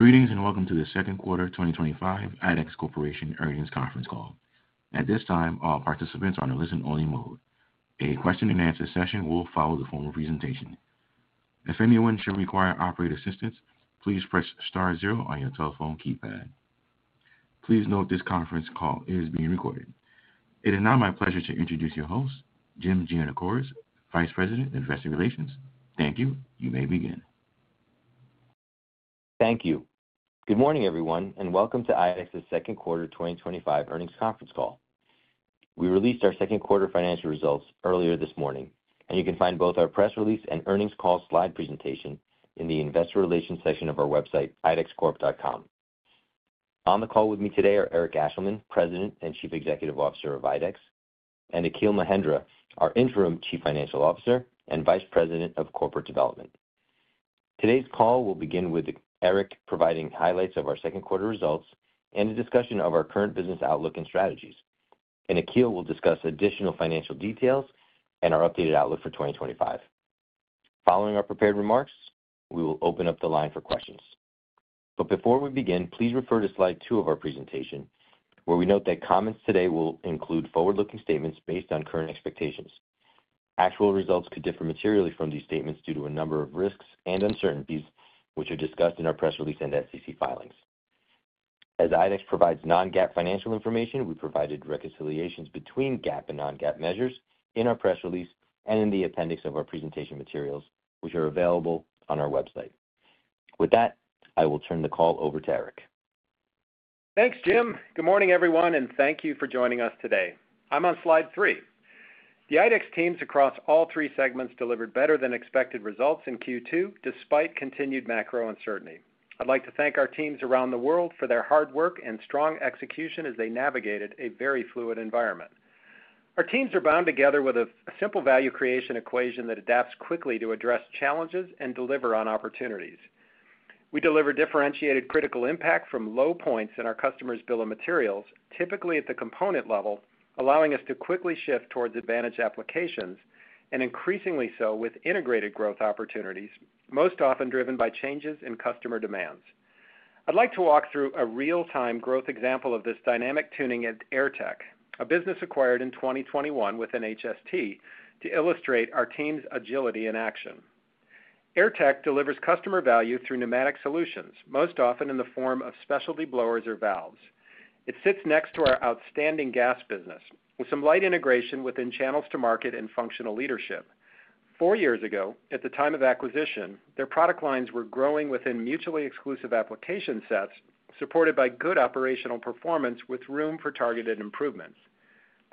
Greetings and welcome to the second quarter 2025 IDEX Corporation earnings conference call. At this time, all participants are in a listen-only mode. A question-and-answer session will follow the formal presentation. If anyone should require operator assistance, please press star zero on your telephone keypad. Please note this conference call is being recorded. It is now my pleasure to introduce your host, Jim Giannakouros, Vice President, Investor Relations. Thank you. You may begin. Thank you. Good morning, everyone, and welcome to IDEX's second quarter 2025 earnings conference call. We released our second quarter financial results earlier this morning, and you can find both our press release and earnings call slide presentation in the Investor Relations section of our website, idexcorp.com. On the call with me today are Eric Ashleman, President and Chief Executive Officer of IDEX, and Akhil Mahendra, our Interim Chief Financial Officer and Vice President of Corporate Development. Today's call will begin with Eric providing highlights of our second quarter results and a discussion of our current business outlook and strategies, and Akhil will discuss additional financial details and our updated outlook for 2025. Following our prepared remarks, we will open up the line for questions. Before we begin, please refer to slide two of our presentation, where we note that comments today will include forward-looking statements based on current expectations. Actual results could differ materially from these statements due to a number of risks and uncertainties, which are discussed in our press release and SEC filings. As IDEX provides non-GAAP financial information, we provided reconciliations between GAAP and non-GAAP measures in our press release and in the appendix of our presentation materials, which are available on our website. With that, I will turn the call over to Eric. Thanks, Jim. Good morning, everyone, and thank you for joining us today. I'm on slide three. The IDEX teams across all three segments delivered better-than-expected results in Q2 despite continued macro uncertainty. I'd like to thank our teams around the world for their hard work and strong execution as they navigated a very fluid environment. Our teams are bound together with a simple value creation equation that adapts quickly to address challenges and deliver on opportunities. We deliver differentiated critical impact from low points in our customers' bill of materials, typically at the component level, allowing us to quickly shift towards advantaged applications and increasingly so with integrated growth opportunities, most often driven by changes in customer demands. I'd like to walk through a real-time growth example of this dynamic tuning at Airtech, a business acquired in 2021 within HST, to illustrate our team's agility in action. Airtech delivers customer value through pneumatic solutions, most often in the form of specialty blowers or valves. It sits next to our outstanding gas business, with some light integration within channels to market and functional leadership. Four years ago, at the time of acquisition, their product lines were growing within mutually exclusive application sets supported by good operational performance with room for targeted improvements.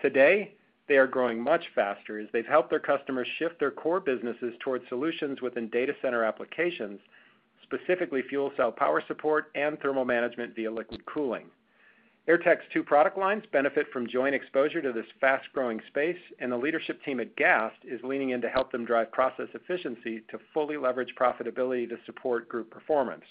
Today, they are growing much faster as they've helped their customers shift their core businesses towards solutions within data center applications, specifically fuel cell power support and thermal management via liquid cooling. Airtech's two product lines benefit from joint exposure to this fast-growing space, and the leadership team at Airtech is leaning in to help them drive process efficiency to fully leverage profitability to support group performance.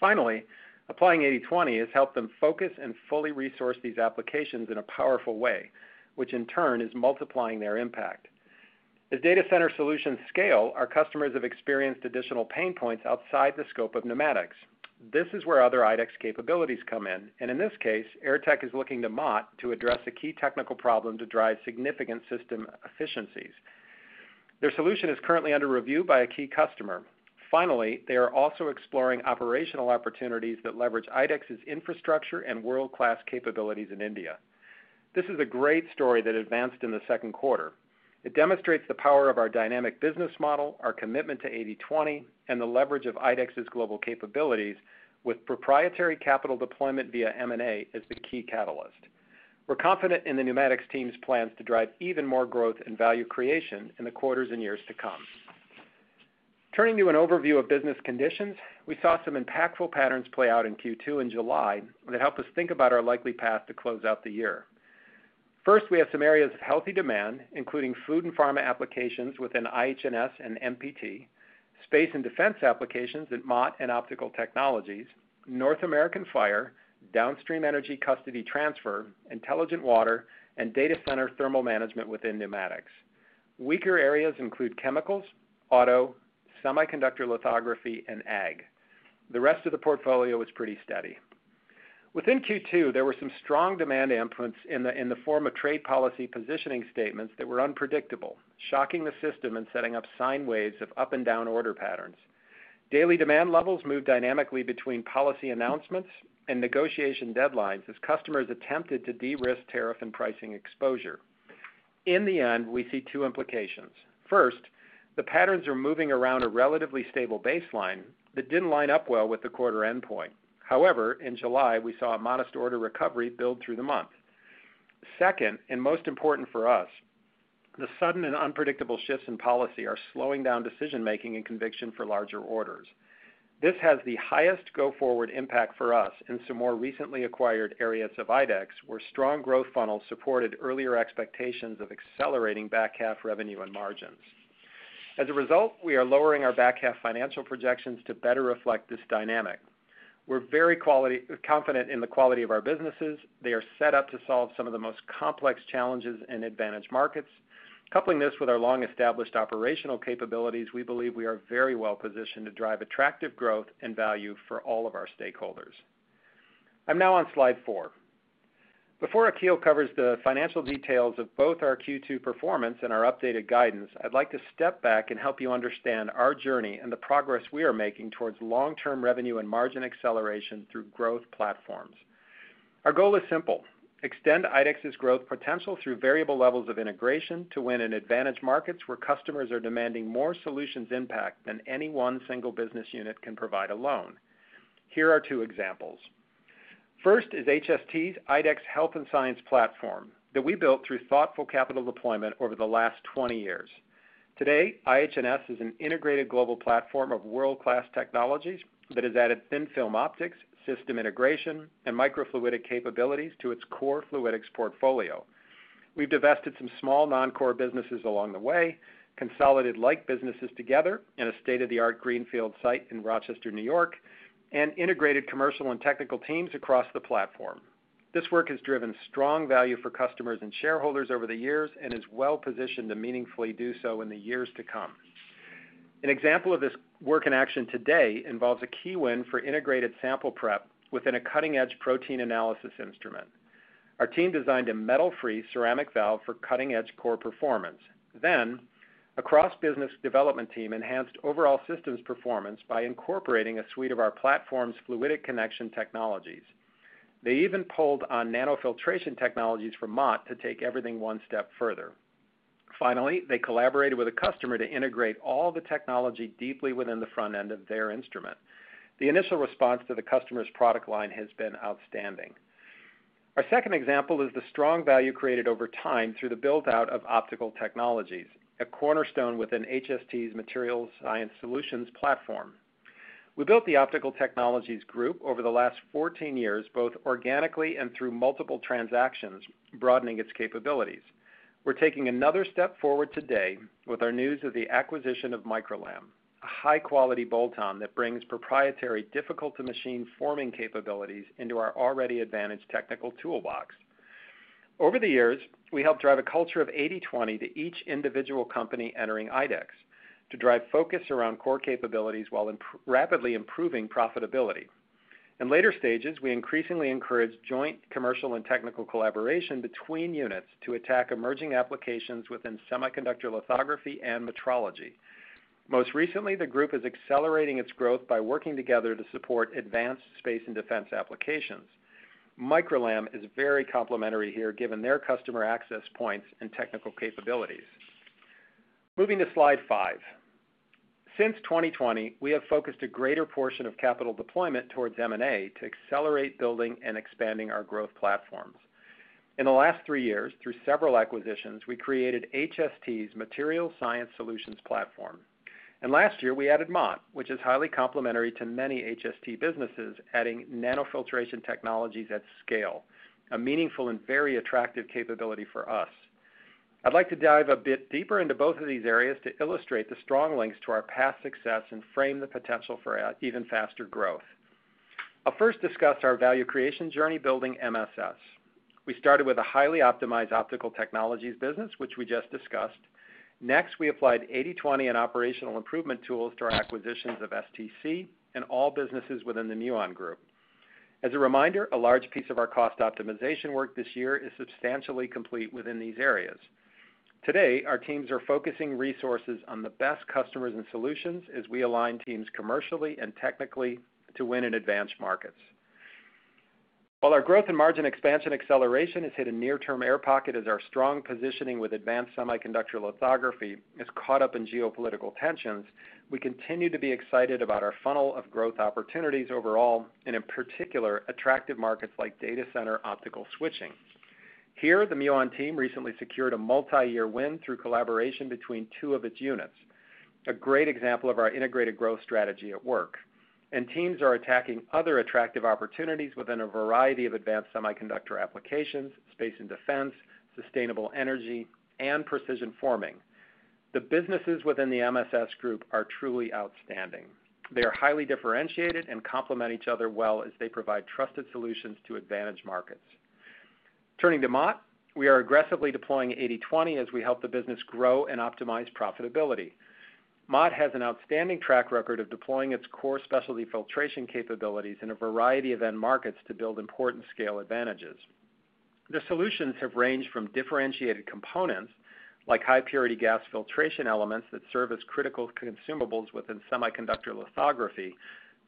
Finally, applying 80/20 has helped them focus and fully resource these applications in a powerful way, which in turn is multiplying their impact. As data center solutions scale, our customers have experienced additional pain points outside the scope of pneumatics. This is where other IDEX capabilities come in, and in this case, Airtech is looking to Mott to address a key technical problem to drive significant system efficiencies. Their solution is currently under review by a key customer. Finally, they are also exploring operational opportunities that leverage IDEX's infrastructure and world-class capabilities in India. This is a great story that advanced in the second quarter. It demonstrates the power of our dynamic business model, our commitment to 80/20, and the leverage of IDEX's global capabilities with proprietary capital deployment via M&A as the key catalyst. We're confident in the pneumatics team's plans to drive even more growth and value creation in the quarters and years to come. Turning to an overview of business conditions, we saw some impactful patterns play out in Q2 in July that helped us think about our likely path to close out the year. First, we have some areas of healthy demand, including food and pharma applications within IH&S and MPT, space and defense applications at MOT and Optical Technologies, North American Fire, downstream energy custody transfer, intelligent water, and data center thermal management within pneumatics. Weaker areas include chemicals, auto, semiconductor lithography, and ag. The rest of the portfolio was pretty steady. Within Q2, there were some strong demand influence in the form of trade policy positioning statements that were unpredictable, shocking the system and setting up sine waves of up-and-down order patterns. Daily demand levels moved dynamically between policy announcements and negotiation deadlines as customers attempted to de-risk tariff and pricing exposure. In the end, we see two implications. First, the patterns are moving around a relatively stable baseline that did not line up well with the quarter endpoint. However, in July, we saw a modest order recovery build through the month. Second, and most important for us, the sudden and unpredictable shifts in policy are slowing down decision-making and conviction for larger orders. This has the highest go-forward impact for us in some more recently acquired areas of IDEX, where strong growth funnels supported earlier expectations of accelerating back half revenue and margins. As a result, we are lowering our back half financial projections to better reflect this dynamic. We are very confident in the quality of our businesses. They are set up to solve some of the most complex challenges in advantaged markets. Coupling this with our long-established operational capabilities, we believe we are very well positioned to drive attractive growth and value for all of our stakeholders. I'm now on slide four. Before Akhil covers the financial details of both our Q2 performance and our updated guidance, I'd like to step back and help you understand our journey and the progress we are making towards long-term revenue and margin acceleration through growth platforms. Our goal is simple: extend IDEX's growth potential through variable levels of integration to win in advantaged markets where customers are demanding more solutions impact than any one single business unit can provide alone. Here are two examples. First is HST's IDEX Health & Science platform that we built through thoughtful capital deployment over the last 20 years. Health & Science is an integrated global platform of world-class technologies that has added thin film optics, system integration, and microfluidic capabilities to its core fluidics portfolio. We have divested some small non-core businesses along the way, consolidated like businesses together in a state-of-the-art Greenfield site in Rochester, New York, and integrated commercial and technical teams across the platform. This work has driven strong value for customers and shareholders over the years and is well positioned to meaningfully do so in the years to come. An example of this work in action today involves a key win for integrated sample prep within a cutting-edge protein analysis instrument. Our team designed a metal-free ceramic valve for cutting-edge core performance. A cross-business development team enhanced overall systems performance by incorporating a suite of our platform's fluidic connection technologies. They even pulled on nano-filtration technologies from Mott Corporation to take everything one step further. Finally, they collaborated with a customer to integrate all the technology deeply within the front end of their instrument. The initial response to the customer's product line has been outstanding. Our second example is the strong value created over time through the build-out of optical technologies, a cornerstone within HST's Material Science Solutions platform. We built the optical technologies group over the last 14 years, both organically and through multiple transactions, broadening its capabilities. We're taking another step forward today with our news of the acquisition of MicroLam, a high-quality bolt-on that brings proprietary difficult-to-machine forming capabilities into our already advantaged technical toolbox. Over the years, we helped drive a culture of 80/20 to each individual company entering IDEX to drive focus around core capabilities while rapidly improving profitability. In later stages, we increasingly encouraged joint commercial and technical collaboration between units to attack emerging applications within semiconductor lithography and metrology. Most recently, the group is accelerating its growth by working together to support advanced space and defense applications. MicroLam is very complementary here given their customer access points and technical capabilities. Moving to slide five. Since 2020, we have focused a greater portion of capital deployment towards M&A to accelerate building and expanding our growth platforms. In the last three years, through several acquisitions, we created HST's Material Science Solutions platform. Last year, we added MOT, which is highly complementary to many HST businesses, adding nano-filtration technologies at scale, a meaningful and very attractive capability for us. I'd like to dive a bit deeper into both of these areas to illustrate the strong links to our past success and frame the potential for even faster growth. I'll first discuss our value creation journey building MSS. We started with a highly optimized Optical Technologies business, which we just discussed. Next, we applied 80/20 and operational improvement tools to our acquisitions of STC and all businesses within the Muon Group. As a reminder, a large piece of our cost optimization work this year is substantially complete within these areas. Today, our teams are focusing resources on the best customers and solutions as we align teams commercially and technically to win in advanced markets. While our growth and margin expansion acceleration has hit a near-term air pocket as our strong positioning with advanced semiconductor lithography has caught up in geopolitical tensions, we continue to be excited about our funnel of growth opportunities overall and, in particular, attractive markets like data center optical switching. Here, the Muon team recently secured a multi-year win through collaboration between two of its units, a great example of our integrated growth strategy at work. Teams are attacking other attractive opportunities within a variety of advanced semiconductor applications, space and defense, sustainable energy, and precision forming. The businesses within the MSS group are truly outstanding. They are highly differentiated and complement each other well as they provide trusted solutions to advantaged markets. Turning to MOT, we are aggressively deploying 80/20 as we help the business grow and optimize profitability. MOT has an outstanding track record of deploying its core specialty filtration capabilities in a variety of end markets to build important scale advantages. Their solutions have ranged from differentiated components like high-purity gas filtration elements that serve as critical consumables within semiconductor lithography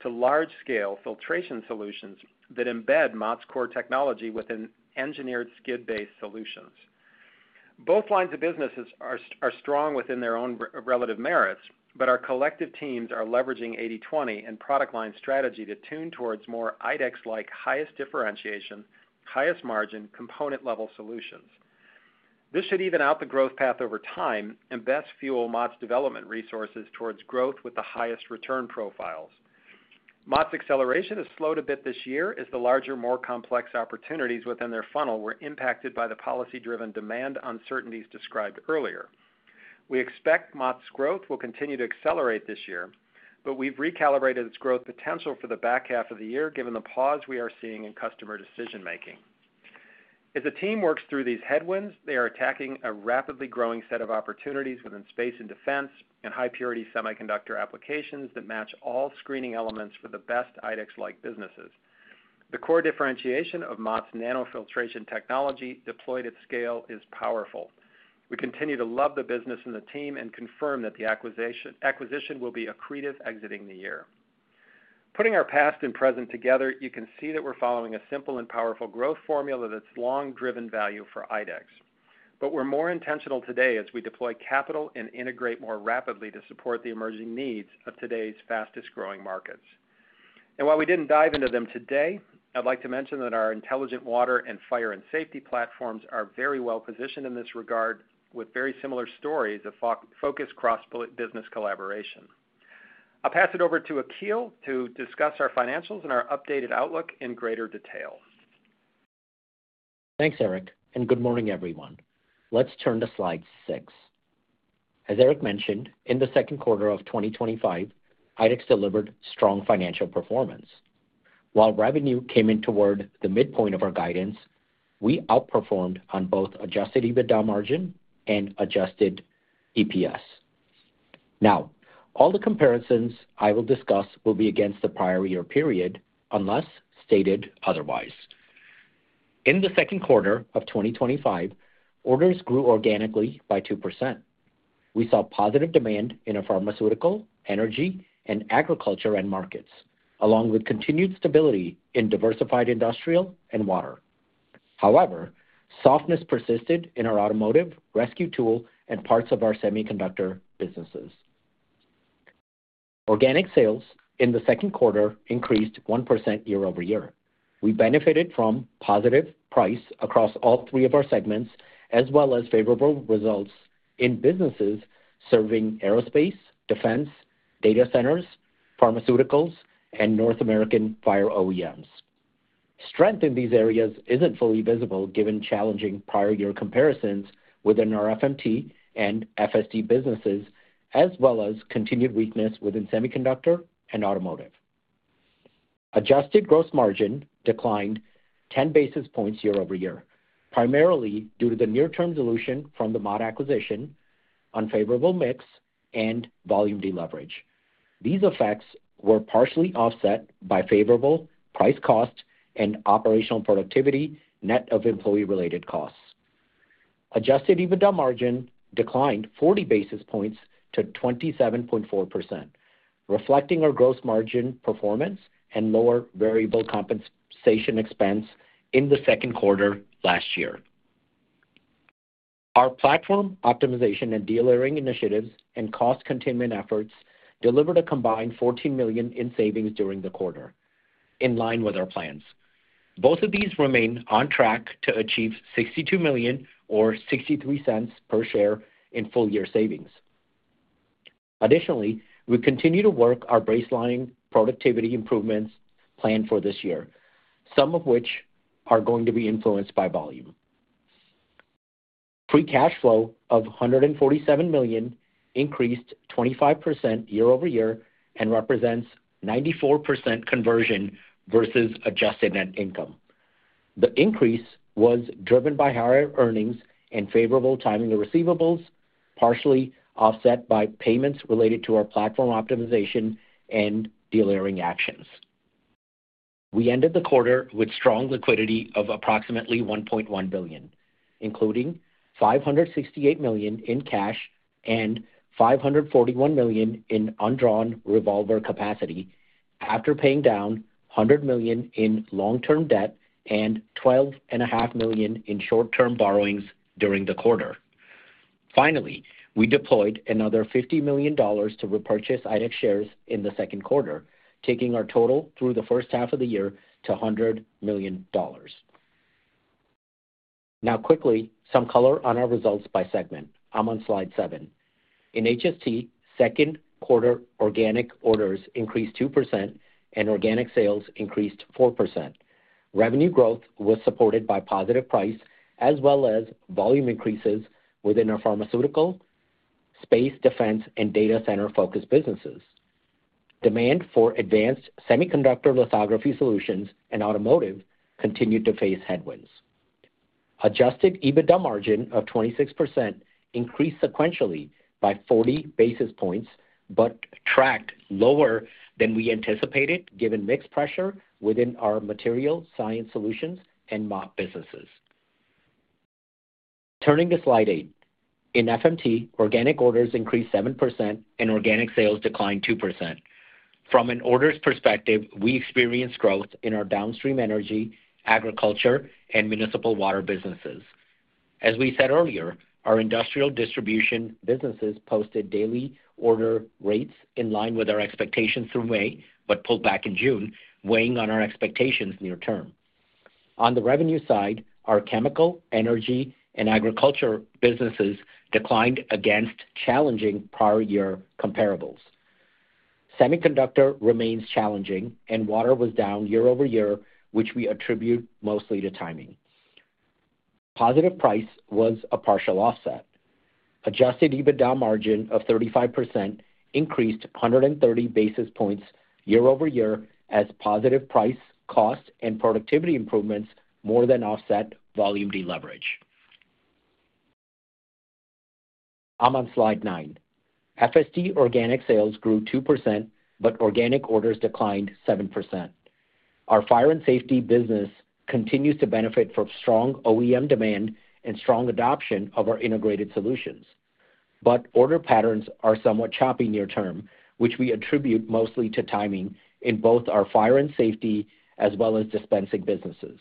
to large-scale filtration solutions that embed MOT's core technology within engineered skid-based solutions. Both lines of business are strong within their own relative merits, but our collective teams are leveraging 80/20 and product line strategy to tune towards more IDEX-like highest differentiation, highest margin, component-level solutions. This should even out the growth path over time and best fuel MOT's development resources towards growth with the highest return profiles. MOT's acceleration has slowed a bit this year as the larger, more complex opportunities within their funnel were impacted by the policy-driven demand uncertainties described earlier. We expect MOT's growth will continue to accelerate this year, but we've recalibrated its growth potential for the back half of the year given the pause we are seeing in customer decision-making. As the team works through these headwinds, they are attacking a rapidly growing set of opportunities within space and defense and high-purity semiconductor applications that match all screening elements for the best IDEX-like businesses. The core differentiation of MOT's nano-filtration technology deployed at scale is powerful. We continue to love the business and the team and confirm that the acquisition will be accretive exiting the year. Putting our past and present together, you can see that we're following a simple and powerful growth formula that's long-driven value for IDEX. We are more intentional today as we deploy capital and integrate more rapidly to support the emerging needs of today's fastest-growing markets. While we did not dive into them today, I would like to mention that our intelligent water and fire and safety platforms are very well positioned in this regard with very similar stories of focused cross-business collaboration. I'll pass it over to Akhil to discuss our financials and our updated outlook in greater detail. Thanks, Eric. Good morning, everyone. Let's turn to slide six. As Eric mentioned, in the second quarter of 2025, IDEX delivered strong financial performance. While revenue came in toward the midpoint of our guidance, we outperformed on both adjusted EBITDA margin and adjusted EPS. Now, all the comparisons I will discuss will be against the prior year period unless stated otherwise. In the second quarter of 2025, orders grew organically by 2%. We saw positive demand in our pharmaceutical, energy, and agriculture end markets, along with continued stability in diversified industrial and water. However, softness persisted in our automotive, rescue tool, and parts of our semiconductor businesses. Organic sales in the second quarter increased 1% year over year. We benefited from positive price across all three of our segments, as well as favorable results in businesses serving aerospace, defense, data centers, pharmaceuticals, and North American fire OEMs. Strength in these areas isn't fully visible given challenging prior year comparisons within our FMT and FST businesses, as well as continued weakness within semiconductor and automotive. Adjusted gross margin declined 10 basis points year over year, primarily due to the near-term dilution from the Mott acquisition, unfavorable mix, and volume deleverage. These effects were partially offset by favorable price-cost and operational productivity net of employee-related costs. Adjusted EBITDA margin declined 40 basis points to 27.4%, reflecting our gross margin performance and lower variable compensation expense in the second quarter last year. Our platform optimization and delayering initiatives and cost containment efforts delivered a combined $14 million in savings during the quarter, in line with our plans. Both of these remain on track to achieve $62 million or $0.63 per share in full-year savings. Additionally, we continue to work on our baseline productivity improvements planned for this year, some of which are going to be influenced by volume. Free cash flow of $147 million increased 25% year over year and represents 94% conversion versus adjusted net income. The increase was driven by higher earnings and favorable timing of receivables, partially offset by payments related to our platform optimization and delayering actions. We ended the quarter with strong liquidity of approximately $1.1 billion, including $568 million in cash and $541 million in undrawn revolver capacity after paying down $100 million in long-term debt and $12.5 million in short-term borrowings during the quarter. Finally, we deployed another $50 million to repurchase IDEX shares in the second quarter, taking our total through the first half of the year to $100 million. Now, quickly, some color on our results by segment. I'm on slide seven. In HST, second quarter organic orders increased 2% and organic sales increased 4%. Revenue growth was supported by positive price as well as volume increases within our pharmaceutical, space, defense, and data center-focused businesses. Demand for advanced semiconductor lithography solutions and automotive continued to face headwinds. Adjusted EBITDA margin of 26% increased sequentially by 40 basis points but tracked lower than we anticipated given mixed pressure within our Material Science Solutions and Mott Corporation businesses. Turning to slide eight, in FMT, organic orders increased 7% and organic sales declined 2%. From an orders perspective, we experienced growth in our downstream energy, agriculture, and municipal water businesses. As we said earlier, our industrial distribution businesses posted daily order rates in line with our expectations through May but pulled back in June, weighing on our expectations near term. On the revenue side, our chemical, energy, and agriculture businesses declined against challenging prior year comparables. Semiconductor remains challenging, and water was down year over year, which we attribute mostly to timing. Positive price was a partial offset. Adjusted EBITDA margin of 35% increased 130 basis points year over year as positive price, cost, and productivity improvements more than offset volume deleverage. I'm on slide nine. FST organic sales grew 2%, but organic orders declined 7%. Our fire and safety business continues to benefit from strong OEM demand and strong adoption of our integrated solutions. Order patterns are somewhat choppy near term, which we attribute mostly to timing in both our fire and safety as well as dispensing businesses.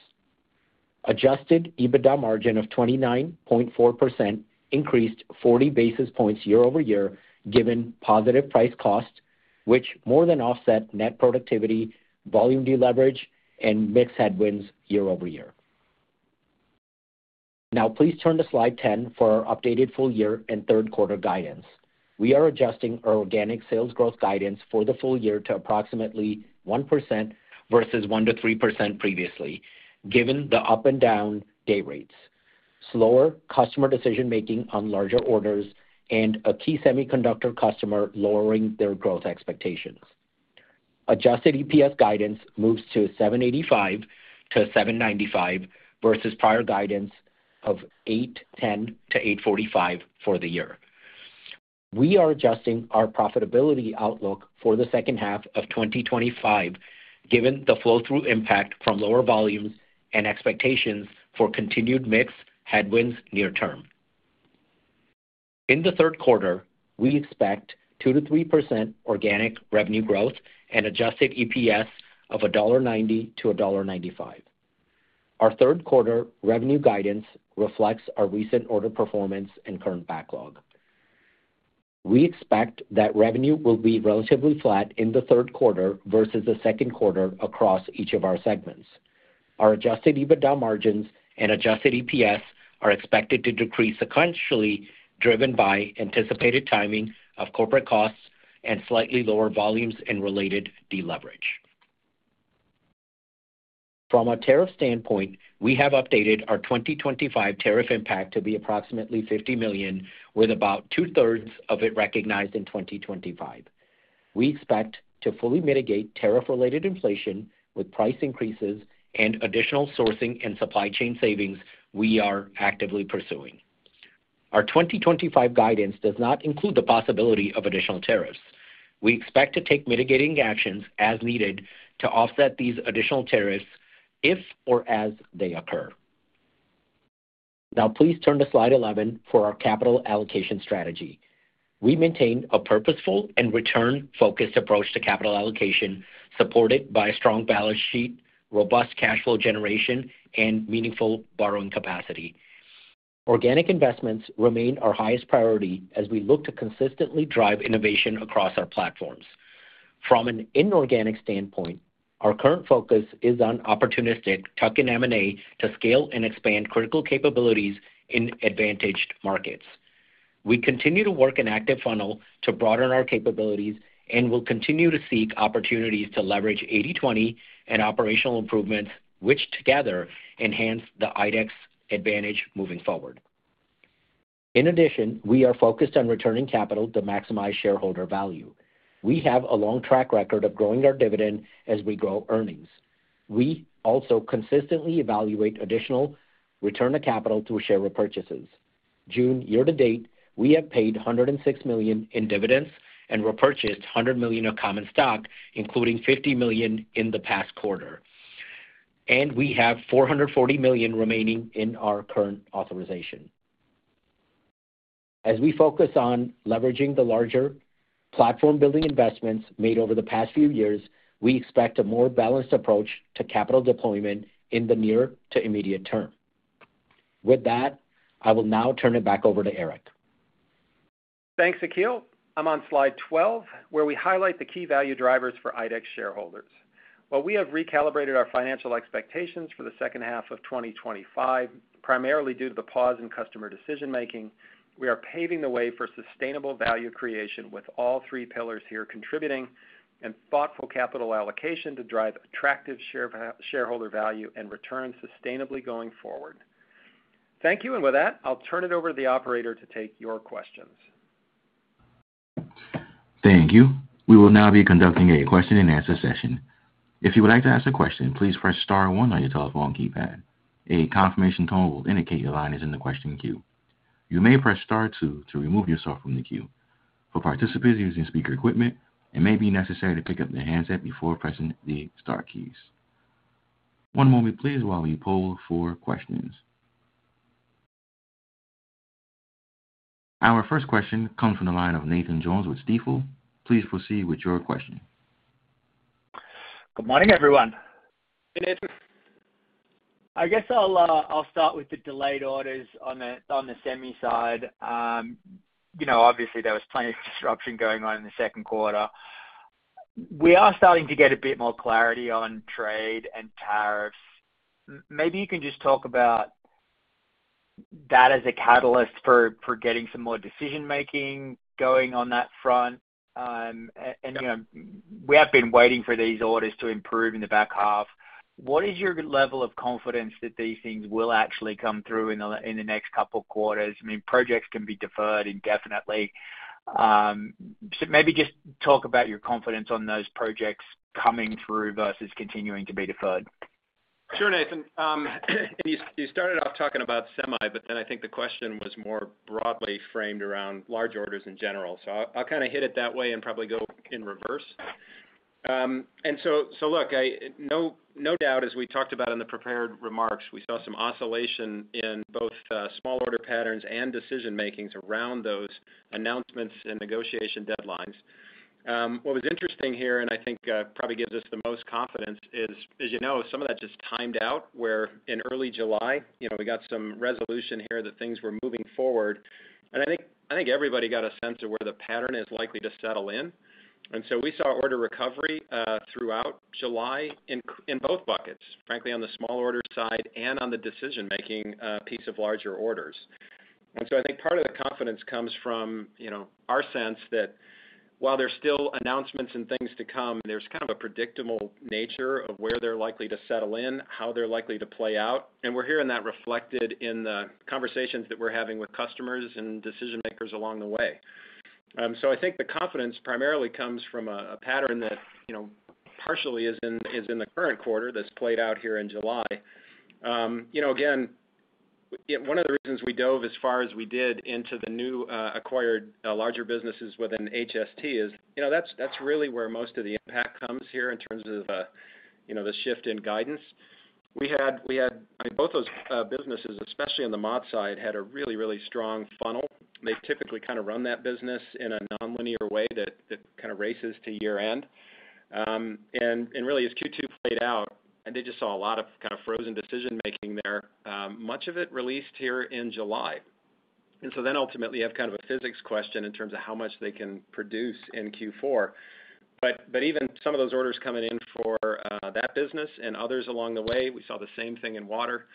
Adjusted EBITDA margin of 29.4% increased 40 basis points year over year given positive price-cost, which more than offset net productivity, volume deleverage, and mixed headwinds year over year. Now, please turn to slide 10 for our updated full-year and third quarter guidance. We are adjusting our organic sales growth guidance for the full year to approximately 1% versus 1-3% previously, given the up and down day rates, slower customer decision-making on larger orders, and a key semiconductor customer lowering their growth expectations. Adjusted EPS guidance moves to $7.85-$7.95 versus prior guidance of $8.10-$8.45 for the year. We are adjusting our profitability outlook for the second half of 2025, given the flow-through impact from lower volumes and expectations for continued mixed headwinds near term. In the third quarter, we expect 2-3% organic revenue growth and adjusted EPS of $1.90-$1.95. Our third quarter revenue guidance reflects our recent order performance and current backlog. We expect that revenue will be relatively flat in the third quarter versus the second quarter across each of our segments. Our adjusted EBITDA margins and adjusted EPS are expected to decrease sequentially, driven by anticipated timing of corporate costs and slightly lower volumes and related deleverage. From a tariff standpoint, we have updated our 2025 tariff impact to be approximately $50 million, with about two-thirds of it recognized in 2025. We expect to fully mitigate tariff-related inflation with price increases and additional sourcing and supply chain savings we are actively pursuing. Our 2025 guidance does not include the possibility of additional tariffs. We expect to take mitigating actions as needed to offset these additional tariffs if or as they occur. Now, please turn to slide 11 for our capital allocation strategy. We maintain a purposeful and return-focused approach to capital allocation, supported by a strong balance sheet, robust cash flow generation, and meaningful borrowing capacity. Organic investments remain our highest priority as we look to consistently drive innovation across our platforms. From an inorganic standpoint, our current focus is on opportunistic tuck-in M&A to scale and expand critical capabilities in advantaged markets. We continue to work in Active Funnel to broaden our capabilities and will continue to seek opportunities to leverage 80/20 and operational improvements, which together enhance the IDEX advantage moving forward. In addition, we are focused on returning capital to maximize shareholder value. We have a long track record of growing our dividend as we grow earnings. We also consistently evaluate additional return to capital through share repurchases. June, year to date, we have paid $106 million in dividends and repurchased $100 million of common stock, including $50 million in the past quarter. We have $440 million remaining in our current authorization. As we focus on leveraging the larger platform-building investments made over the past few years, we expect a more balanced approach to capital deployment in the near to immediate term. With that, I will now turn it back over to Eric. Thanks, Akhil. I'm on slide 12, where we highlight the key value drivers for IDEX shareholders. While we have recalibrated our financial expectations for the second half of 2025, primarily due to the pause in customer decision-making, we are paving the way for sustainable value creation with all three pillars here contributing and thoughtful capital allocation to drive attractive shareholder value and return sustainably going forward. Thank you. With that, I'll turn it over to the operator to take your questions. Thank you. We will now be conducting a question-and-answer session. If you would like to ask a question, please press Star 1 on your telephone keypad. A confirmation tone will indicate your line is in the question queue. You may press Star 2 to remove yourself from the queue. For participants using speaker equipment, it may be necessary to pick up their handset before pressing the Star keys. One moment, please, while we poll for questions. Our first question comes from the line of Nathan Jones with Stifel. Please proceed with your question. Good morning, everyone. I guess I'll start with the delayed orders on the semi side. Obviously, there was plenty of disruption going on in the second quarter. We are starting to get a bit more clarity on trade and tariffs. Maybe you can just talk about that as a catalyst for getting some more decision-making going on that front. We have been waiting for these orders to improve in the back half. What is your level of confidence that these things will actually come through in the next couple of quarters? I mean, projects can be deferred indefinitely. Maybe just talk about your confidence on those projects coming through versus continuing to be deferred. Sure, Nathan. You started off talking about semi, but then I think the question was more broadly framed around large orders in general. I'll kind of hit it that way and probably go in reverse. Look, no doubt, as we talked about in the prepared remarks, we saw some oscillation in both small order patterns and decision-makings around those announcements and negotiation deadlines. What was interesting here, and I think probably gives us the most confidence, is, as you know, some of that just timed out where in early July, we got some resolution here that things were moving forward. I think everybody got a sense of where the pattern is likely to settle in. We saw order recovery throughout July in both buckets, frankly, on the small order side and on the decision-making piece of larger orders. I think part of the confidence comes from our sense that while there's still announcements and things to come, there's kind of a predictable nature of where they're likely to settle in, how they're likely to play out. We're hearing that reflected in the conversations that we're having with customers and decision-makers along the way. I think the confidence primarily comes from a pattern that. Partially is in the current quarter that's played out here in July. Again, one of the reasons we dove as far as we did into the new acquired larger businesses within HST is that's really where most of the impact comes here in terms of the shift in guidance. We had, I mean, both those businesses, especially on the MOT side, had a really, really strong funnel. They typically kind of run that business in a non-linear way that kind of races to year-end. Really, as Q2 played out, and they just saw a lot of kind of frozen decision-making there, much of it released here in July. Ultimately, you have kind of a physics question in terms of how much they can produce in Q4. Even some of those orders coming in for that business and others along the way, we saw the same thing in water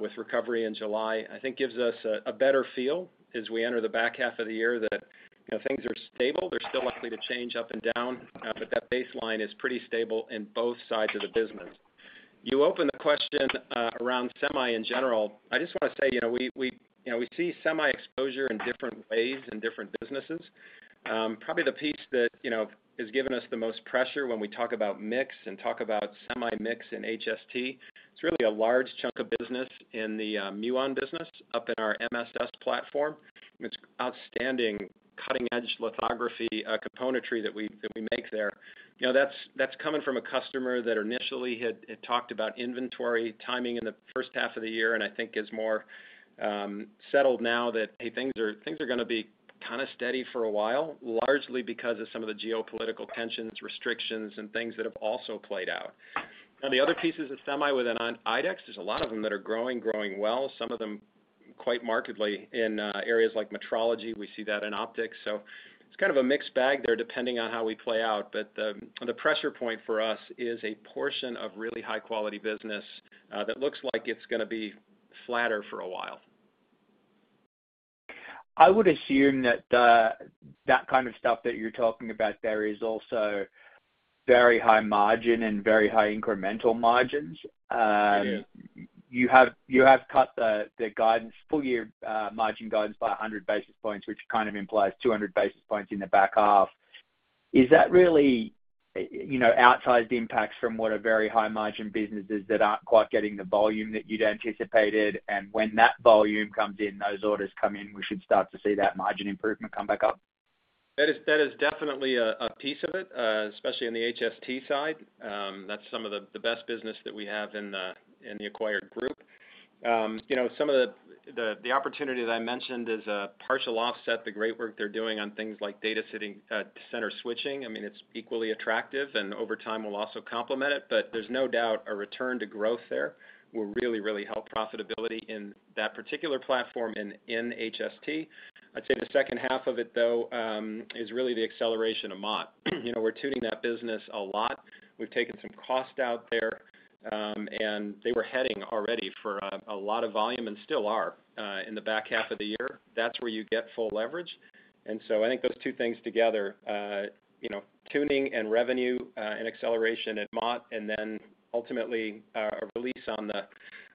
with recovery in July. I think gives us a better feel as we enter the back half of the year that things are stable. They're still likely to change up and down, but that baseline is pretty stable in both sides of the business. You open the question around semi in general. I just want to say. We see semi exposure in different ways in different businesses. Probably the piece that has given us the most pressure when we talk about mix and talk about semi-mix in HST, it's really a large chunk of business in the Muon business up in our MSS platform. It's outstanding cutting-edge lithography componentry that we make there. That's coming from a customer that initially had talked about inventory timing in the first half of the year, and I think is more settled now that, hey, things are going to be kind of steady for a while, largely because of some of the geopolitical tensions, restrictions, and things that have also played out. Now, the other pieces of semi within IDEX, there's a lot of them that are growing, growing well, some of them quite markedly in areas like metrology. We see that in optics. It is kind of a mixed bag there depending on how we play out. The pressure point for us is a portion of really high-quality business that looks like it's going to be flatter for a while. I would assume that kind of stuff that you're talking about there is also very high margin and very high incremental margins. You have cut the guidance, full-year margin guidance by 100 basis points, which kind of implies 200 basis points in the back half. Is that really. Outsized impacts from what are very high-margin businesses that aren't quite getting the volume that you'd anticipated? And when that volume comes in, those orders come in, we should start to see that margin improvement come back up? That is definitely a piece of it, especially on the HST side. That's some of the best business that we have in the acquired group. Some of the opportunity that I mentioned is a partial offset, the great work they're doing on things like data center switching. I mean, it's equally attractive, and over time, we'll also complement it. But there's no doubt a return to growth there will really, really help profitability in that particular platform and in HST. I'd say the second half of it, though, is really the acceleration of MOT. We're tuning that business a lot. We've taken some cost out there. They were heading already for a lot of volume and still are in the back half of the year. That's where you get full leverage. I think those two things together, tuning and revenue and acceleration at MOT, and then ultimately a release on the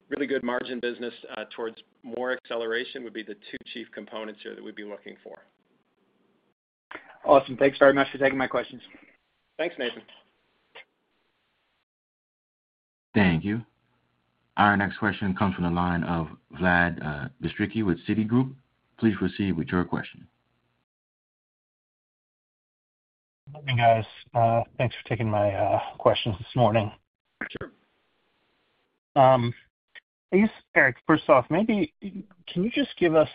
really good margin business towards more acceleration, would be the two chief components here that we'd be looking for. Awesome. Thanks very much for taking my questions. Thanks, Nathan. Thank you. Our next question comes from the line of Vlad Bystricky with Citigroup. Please proceed with your question. Good morning, guys. Thanks for taking my questions this morning. Sure. I guess, Eric, first off, maybe can you just give us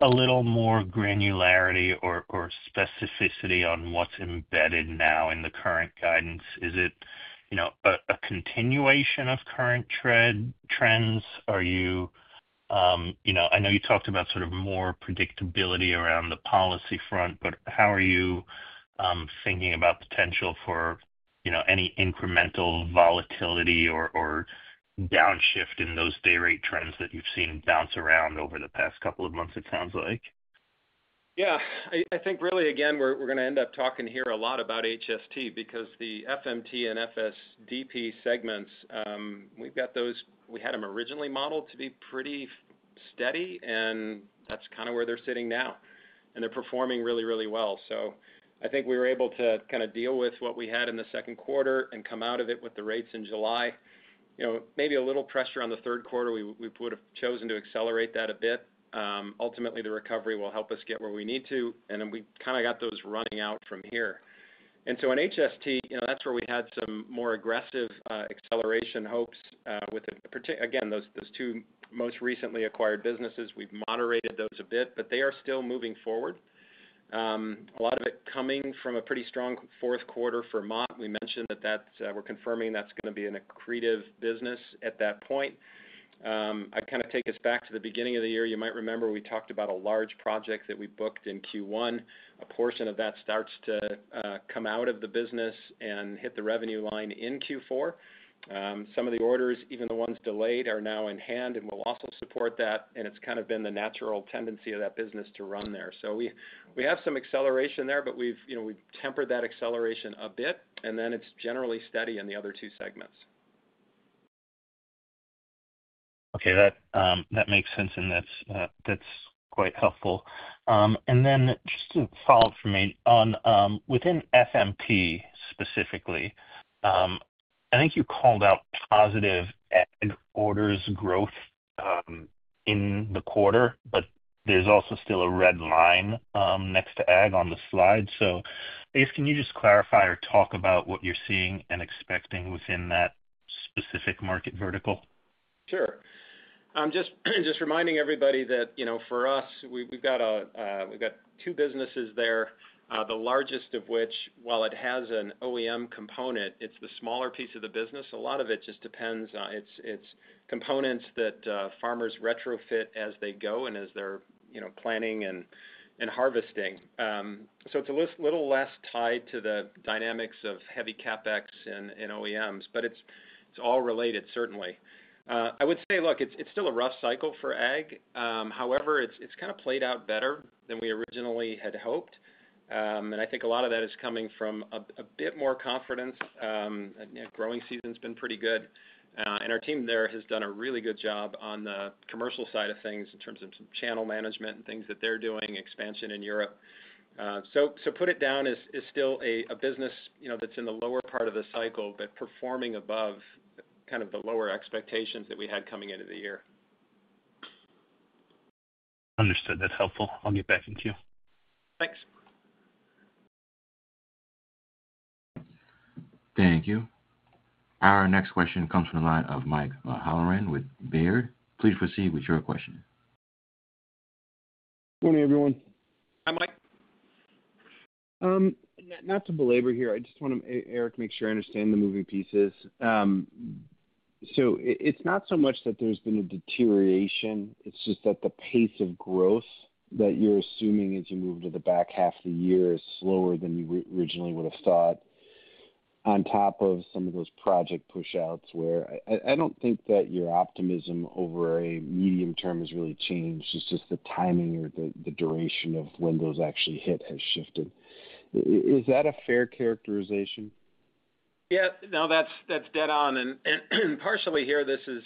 a little more granularity or specificity on what's embedded now in the current guidance? Is it a continuation of current trends? Are you—I know you talked about sort of more predictability around the policy front, but how are you thinking about potential for any incremental volatility or downshift in those day rate trends that you've seen bounce around over the past couple of months, it sounds like? Yeah. I think really, again, we're going to end up talking here a lot about HST because the FMT and FST segments, we've got those, we had them originally modeled to be pretty steady, and that's kind of where they're sitting now. And they're performing really, really well. I think we were able to kind of deal with what we had in the second quarter and come out of it with the rates in July. Maybe a little pressure on the third quarter, we would have chosen to accelerate that a bit. Ultimately, the recovery will help us get where we need to. Then we kind of got those running out from here. In HST, that's where we had some more aggressive acceleration hopes with, again, those two most recently acquired businesses. We've moderated those a bit, but they are still moving forward. A lot of it coming from a pretty strong fourth quarter for MOT. We mentioned that we're confirming that's going to be an accretive business at that point. I kind of take us back to the beginning of the year. You might remember we talked about a large project that we booked in Q1. A portion of that starts to come out of the business and hit the revenue line in Q4. Some of the orders, even the ones delayed, are now in hand, and we'll also support that. It's kind of been the natural tendency of that business to run there. We have some acceleration there, but we've tempered that acceleration a bit. It's generally steady in the other two segments. Okay. That makes sense, and that's quite helpful. Just a follow-up for me on within FMP specifically, I think you called out positive ag orders growth in the quarter, but there's also still a red line next to ag on the slide. I guess can you just clarify or talk about what you're seeing and expecting within that specific market vertical? Sure. Just reminding everybody that for us, we've got two businesses there, the largest of which, while it has an OEM component, it's the smaller piece of the business. A lot of it just depends on its components that farmers retrofit as they go and as they're planting and harvesting. It's a little less tied to the dynamics of heavy CapEx and OEMs, but it's all related, certainly. I would say, look, it's still a rough cycle for ag. However, it's kind of played out better than we originally had hoped. I think a lot of that is coming from a bit more confidence. Growing season's been pretty good. Our team there has done a really good job on the commercial side of things in terms of channel management and things that they're doing, expansion in Europe. Put it down is still a business that's in the lower part of the cycle, but performing above kind of the lower expectations that we had coming into the year. Understood. That's helpful. I'll get back to you. Thanks. Thank you. Our next question comes from the line of Mike Holleran with Baird. Please proceed with your question. Good morning, everyone. Hi, Mike. Not to belabor here, I just want to, Eric, make sure I understand the moving pieces. It's not so much that there's been a deterioration. It's just that the pace of growth that you're assuming as you move into the back half of the year is slower than you originally would have thought. On top of some of those project push-outs where I don't think that your optimism over a medium term has really changed. It's just the timing or the duration of when those actually hit has shifted. Is that a fair characterization? Yeah. No, that's dead on. And partially here, this is.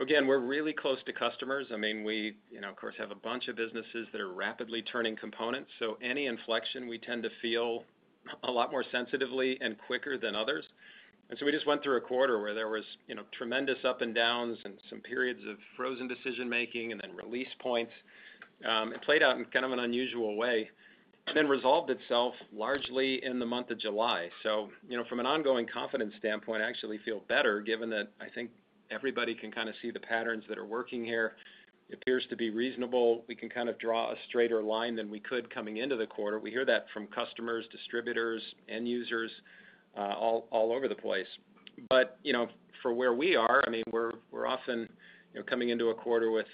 Again, we're really close to customers. I mean, we, of course, have a bunch of businesses that are rapidly turning components. So any inflection, we tend to feel a lot more sensitively and quicker than others. We just went through a quarter where there was tremendous up and downs and some periods of frozen decision-making and then release points. It played out in kind of an unusual way and then resolved itself largely in the month of July. From an ongoing confidence standpoint, I actually feel better given that I think everybody can kind of see the patterns that are working here. It appears to be reasonable. We can kind of draw a straighter line than we could coming into the quarter. We hear that from customers, distributors, end users. All over the place. For where we are, I mean, we're often coming into a quarter with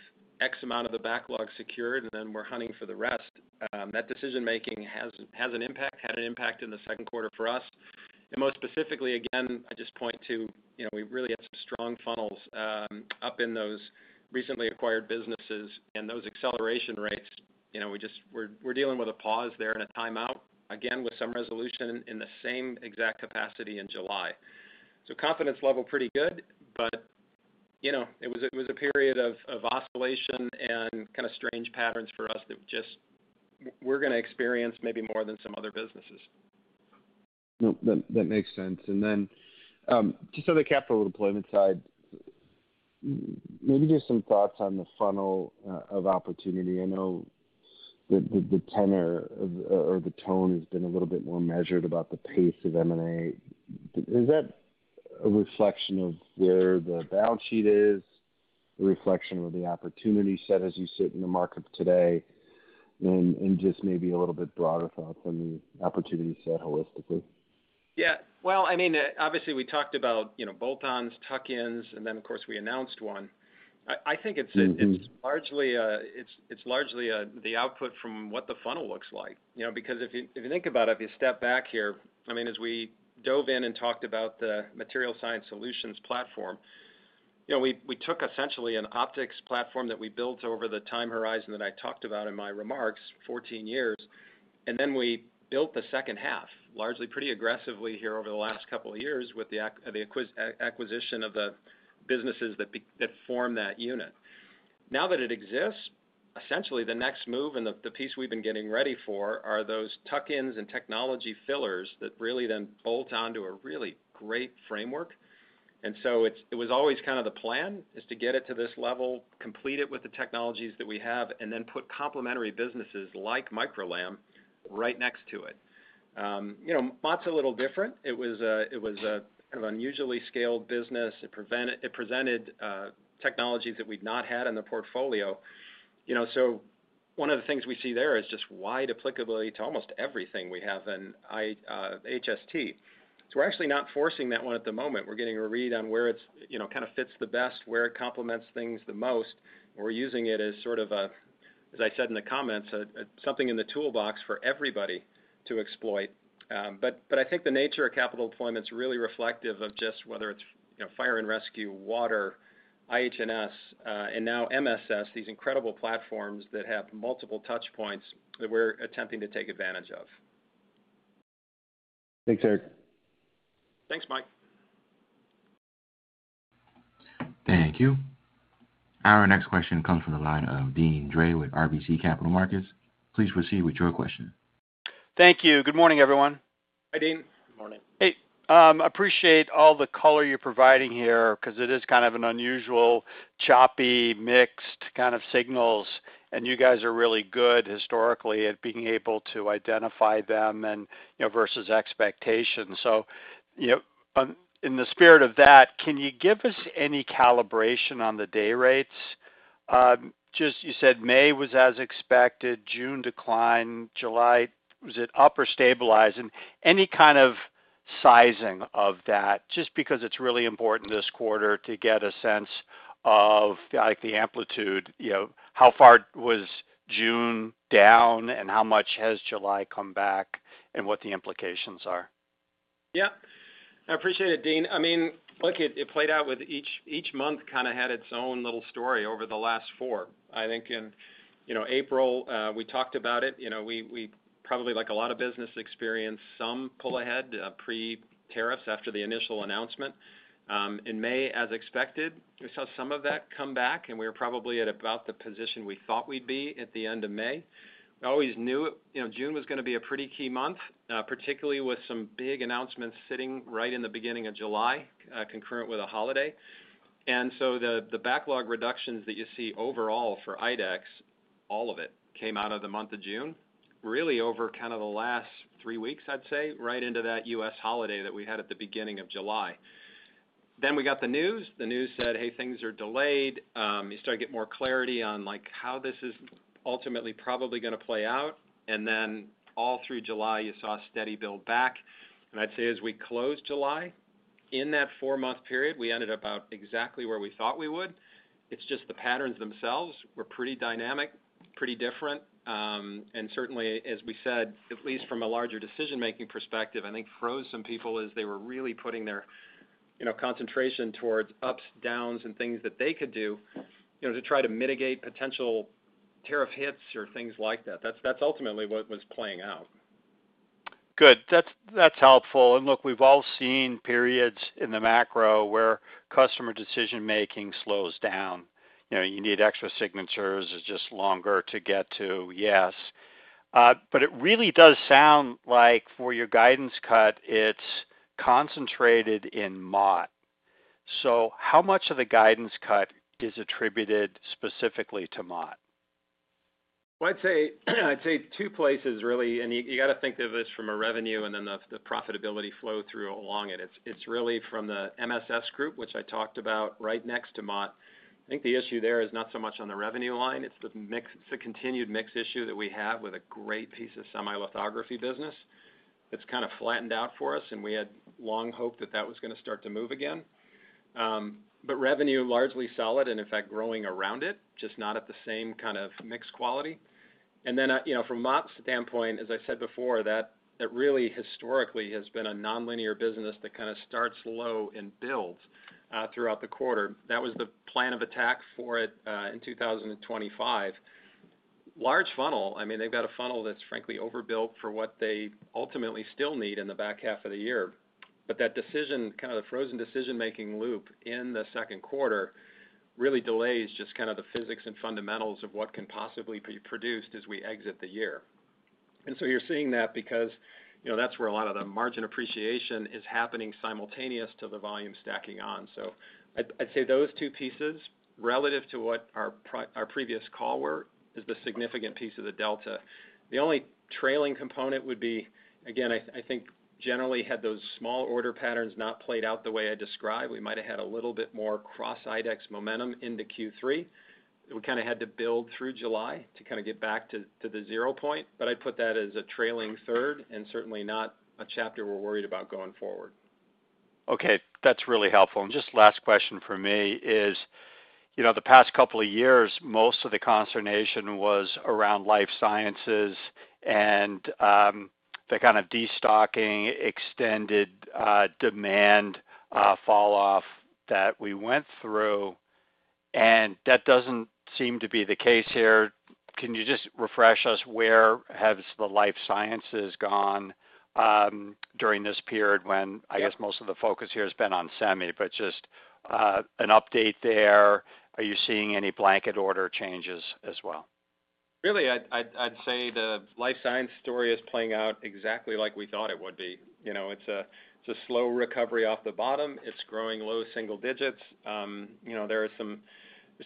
X amount of the backlog secured, and then we're hunting for the rest. That decision-making has an impact, had an impact in the second quarter for us. Most specifically, again, I just point to we really had some strong funnels up in those recently acquired businesses and those acceleration rates. We're dealing with a pause there and a timeout, again, with some resolution in the same exact capacity in July. Confidence level pretty good, but it was a period of oscillation and kind of strange patterns for us that just we're going to experience maybe more than some other businesses. No, that makes sense. And then. Just on the capital deployment side. Maybe just some thoughts on the funnel of opportunity. I know the tenor or the tone has been a little bit more measured about the pace of M&A. Is that a reflection of where the balance sheet is, a reflection of the opportunity set as you sit in the market today? And just maybe a little bit broader thoughts on the opportunity set holistically? Yeah. I mean, obviously, we talked about bolt-ons, tuck-ins, and then, of course, we announced one. I think it's largely the output from what the funnel looks like. Because if you think about it, if you step back here, I mean, as we dove in and talked about the Material Science Solutions platform. We took essentially an optics platform that we built over the time horizon that I talked about in my remarks, 14 years, and then we built the second half largely pretty aggressively here over the last couple of years with the acquisition of the businesses that form that unit. Now that it exists, essentially, the next move and the piece we've been getting ready for are those tuck-ins and technology fillers that really then bolt onto a really great framework. It was always kind of the plan to get it to this level, complete it with the technologies that we have, and then put complementary businesses like MicroLam right next to it. MOT's a little different. It was a kind of unusually scaled business. It presented technologies that we'd not had in the portfolio. One of the things we see there is just wide applicability to almost everything we have in HST. We're actually not forcing that one at the moment. We're getting a read on where it kind of fits the best, where it complements things the most. We're using it as, sort of, as I said in the comments, something in the toolbox for everybody to exploit. I think the nature of capital deployment is really reflective of just whether it's fire and rescue, water, IH&S, and now MSS, these incredible platforms that have multiple touchpoints that we're attempting to take advantage of. Thanks, Eric. Thanks, Mike. Thank you. Our next question comes from the line of Dean Dre with RBC Capital Markets. Please proceed with your question. Thank you. Good morning, everyone. Hi, Dean. Good morning. Hey. I appreciate all the color you're providing here because it is kind of an unusual choppy mixed kind of signals. You guys are really good historically at being able to identify them versus expectations. In the spirit of that, can you give us any calibration on the day rates? Just you said May was as expected, June declined, July was it up or stabilized? Any kind of sizing of that, just because it's really important this quarter to get a sense of the amplitude, how far was June down, and how much has July come back, and what the implications are? Yeah. I appreciate it, Dean. I mean, look, it played out with each month kind of had its own little story over the last four. I think in April, we talked about it. We probably, like a lot of business, experienced some pull ahead pre-tariffs after the initial announcement. In May, as expected, we saw some of that come back, and we were probably at about the position we thought we'd be at the end of May. We always knew June was going to be a pretty key month, particularly with some big announcements sitting right in the beginning of July, concurrent with a holiday. The backlog reductions that you see overall for IDEX, all of it came out of the month of June, really over kind of the last three weeks, I'd say, right into that U.S. holiday that we had at the beginning of July. We got the news. The news said, "Hey, things are delayed." You started to get more clarity on how this is ultimately probably going to play out. All through July, you saw a steady build back. I would say as we closed July, in that four-month period, we ended up out exactly where we thought we would. It is just the patterns themselves were pretty dynamic, pretty different. Certainly, as we said, at least from a larger decision-making perspective, I think froze some people as they were really putting their concentration towards ups, downs, and things that they could do to try to mitigate potential tariff hits or things like that. That is ultimately what was playing out. Good, that is helpful. Look, we have all seen periods in the macro where customer decision-making slows down. You need extra signatures. It is just longer to get to yes. It really does sound like for your guidance cut, it is concentrated in MOT. How much of the guidance cut is attributed specifically to MOT? I would say two places, really. You got to think of this from a revenue and then the profitability flow through along it. It is really from the MSS group, which I talked about right next to MOT. I think the issue there is not so much on the revenue line. It is the continued mix issue that we have with a great piece of semi-lithography business. It is kind of flattened out for us, and we had long hoped that that was going to start to move again. Revenue is largely solid and, in fact, growing around it, just not at the same kind of mixed quality. From MOT standpoint, as I said before, that really historically has been a non-linear business that kind of starts low and builds throughout the quarter. That was the plan of attack for it in 2025. Large funnel, I mean, they've got a funnel that's frankly overbuilt for what they ultimately still need in the back half of the year. That decision, kind of the frozen decision-making loop in the second quarter, really delays just kind of the physics and fundamentals of what can possibly be produced as we exit the year. You're seeing that because that's where a lot of the margin appreciation is happening simultaneous to the volume stacking on. I'd say those two pieces, relative to what our previous call were, is the significant piece of the delta. The only trailing component would be, again, I think generally had those small order patterns not played out the way I described, we might have had a little bit more cross IDEX momentum into Q3. seem to be the case here. Can you just refresh us, where has the life sciences gone during this period when, I guess, most of the focus here has been on semi, but just an update there? Are you seeing any blanket order changes as well? Really, I'd say the life science story is playing out exactly like we thought it would be. It's a slow recovery off the bottom. It's growing low single digits. There are some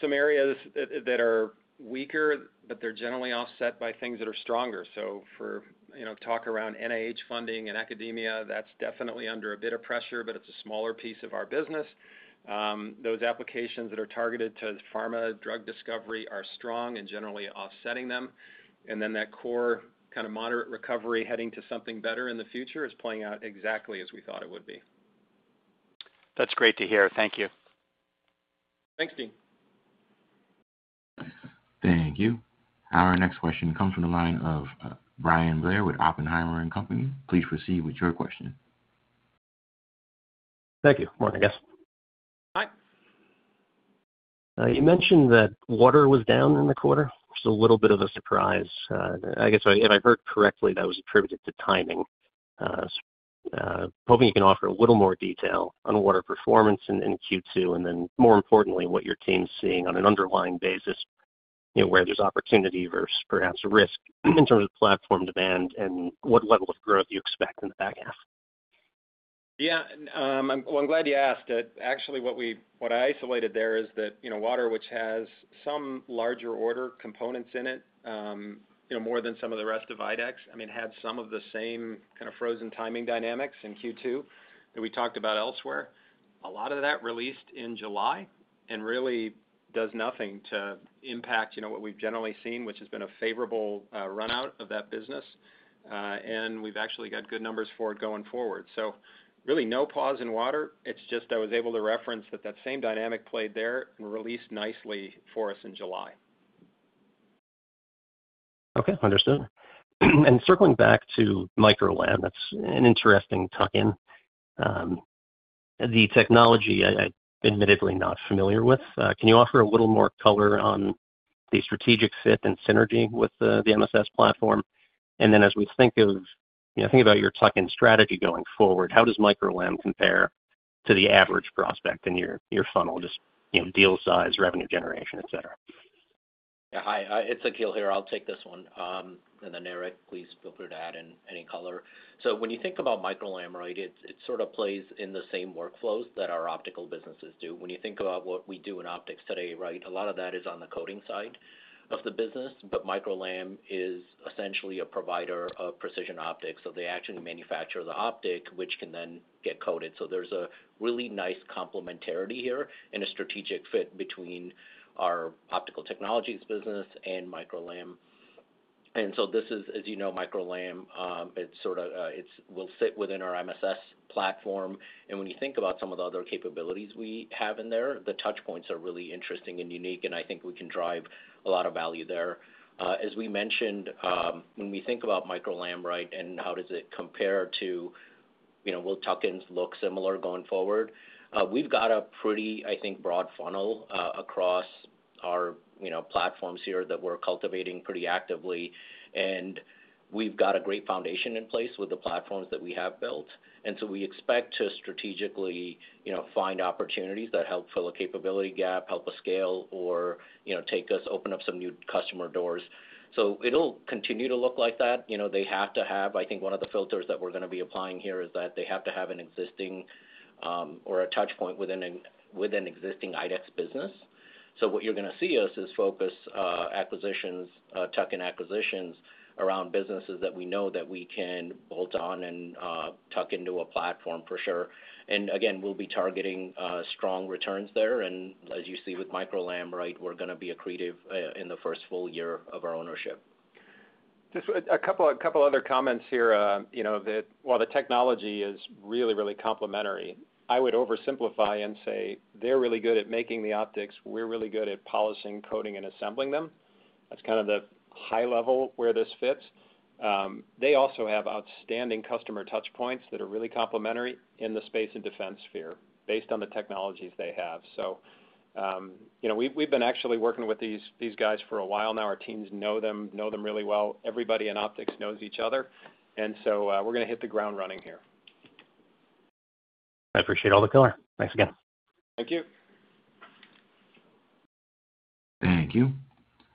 areas that are weaker, but they're generally offset by things that are stronger. For talk around NIH funding and academia, that's definitely under a bit of pressure, but it's a smaller piece of our business. Those applications that are targeted to pharma drug discovery are strong and generally offsetting them. That core kind of moderate recovery heading to something better in the future is playing out exactly as we thought it would be. That's great to hear. Thank you. Thanks, Dean . Thank you. Our next question comes from the line of Bryan Blair with Oppenheimer and Company. Please proceed with your question. Thank you. Morning, I guess. Hi. You mentioned that water was down in the quarter. It's a little bit of a surprise. I guess, if I heard correctly, that was attributed to timing. Hoping you can offer a little more detail on water performance in Q2 and then, more importantly, what your team's seeing on an underlying basis. Where there's opportunity versus perhaps risk in terms of platform demand and what level of growth you expect in the back half. Yeah. I'm glad you asked it. Actually, what I isolated there is that water, which has some larger order components in it, more than some of the rest of IDEX, I mean, had some of the same kind of frozen timing dynamics in Q2 that we talked about elsewhere. A lot of that released in July and really does nothing to impact what we've generally seen, which has been a favorable run-out of that business. We've actually got good numbers for it going forward. Really, no pause in water. It's just I was able to reference that that same dynamic played there and released nicely for us in July. Okay. Understood. And circling back to MicroLam, that's an interesting tuck-in. The technology, I'm admittedly not familiar with. Can you offer a little more color on the strategic fit and synergy with the MSS platform? And then, as we think of. Think about your tuck-in strategy going forward, how does MicroLam compare to the average prospect in your funnel, just deal size, revenue generation, etc.? Yeah. Hi. It's Akhil here. I'll take this one. And then, Eric, please feel free to add in any color. So when you think about MicroLam, right, it sort of plays in the same workflows that our optical businesses do. When you think about what we do in optics today, right, a lot of that is on the coating side of the business, but MicroLam is essentially a provider of precision optics. So they actually manufacture the optic, which can then get coated. There is a really nice complementarity here and a strategic fit between our Optical Technologies business and MicroLam. This is, as you know, MicroLam, it sort of will sit within our MSS platform. When you think about some of the other capabilities we have in there, the touchpoints are really interesting and unique, and I think we can drive a lot of value there. As we mentioned, when we think about MicroLam, right, and how does it compare to, will tuck-ins look similar going forward? We have got a pretty, I think, broad funnel across our platforms here that we are cultivating pretty actively. We have got a great foundation in place with the platforms that we have built. We expect to strategically find opportunities that help fill a capability gap, help us scale, or take us open up some new customer doors. It will continue to look like that. They have to have, I think, one of the filters that we are going to be applying here is that they have to have an existing or a touchpoint within an existing IDEX business. What you are going to see is focus acquisitions, tuck-in acquisitions around businesses that we know that we can bolt on and tuck into a platform for sure. We will be targeting strong returns there. As you see with MicroLam, we are going to be accretive in the first full year of our ownership. Just a couple of other comments here. While the technology is really, really complementary, I would oversimplify and say they're really good at making the optics. We're really good at polishing, coating, and assembling them. That's kind of the high level where this fits. They also have outstanding customer touchpoints that are really complementary in the space and defense sphere based on the technologies they have. We've been actually working with these guys for a while now. Our teams know them, know them really well. Everybody in optics knows each other. We're going to hit the ground running here. I appreciate all the color. Thanks again. Thank you. Thank you.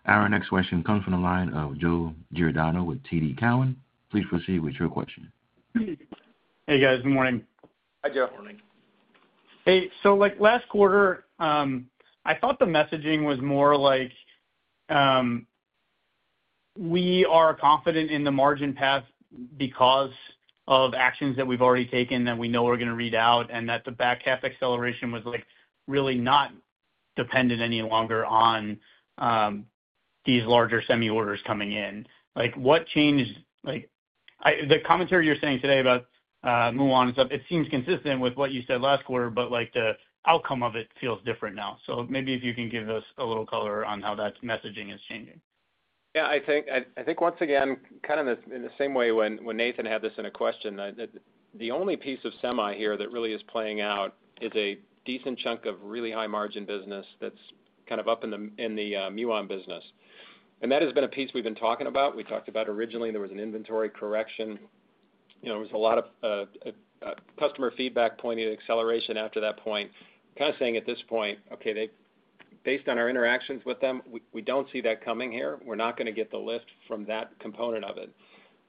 Our next question comes from the line of Joe Giordano with TD Cowen. Please proceed with your question. Hey, guys. Good morning. Hi, Joe. Good morning. Hey. Last quarter, I thought the messaging was more like. We are confident in the margin path because of actions that we've already taken that we know are going to read out, and that the back half acceleration was really not dependent any longer on these larger semi-orders coming in. What changed? The commentary you're saying today about move on and stuff, it seems consistent with what you said last quarter, but the outcome of it feels different now. Maybe if you can give us a little color on how that messaging is changing. Yeah, I think, once again, kind of in the same way when Nathan had this in a question, the only piece of semi here that really is playing out is a decent chunk of really high-margin business that's kind of up in the Muon business. That has been a piece we've been talking about. We talked about originally there was an inventory correction. There was a lot of customer feedback pointing to acceleration after that point, kind of saying at this point, "Okay. Based on our interactions with them, we don't see that coming here. We're not going to get the lift from that component of it."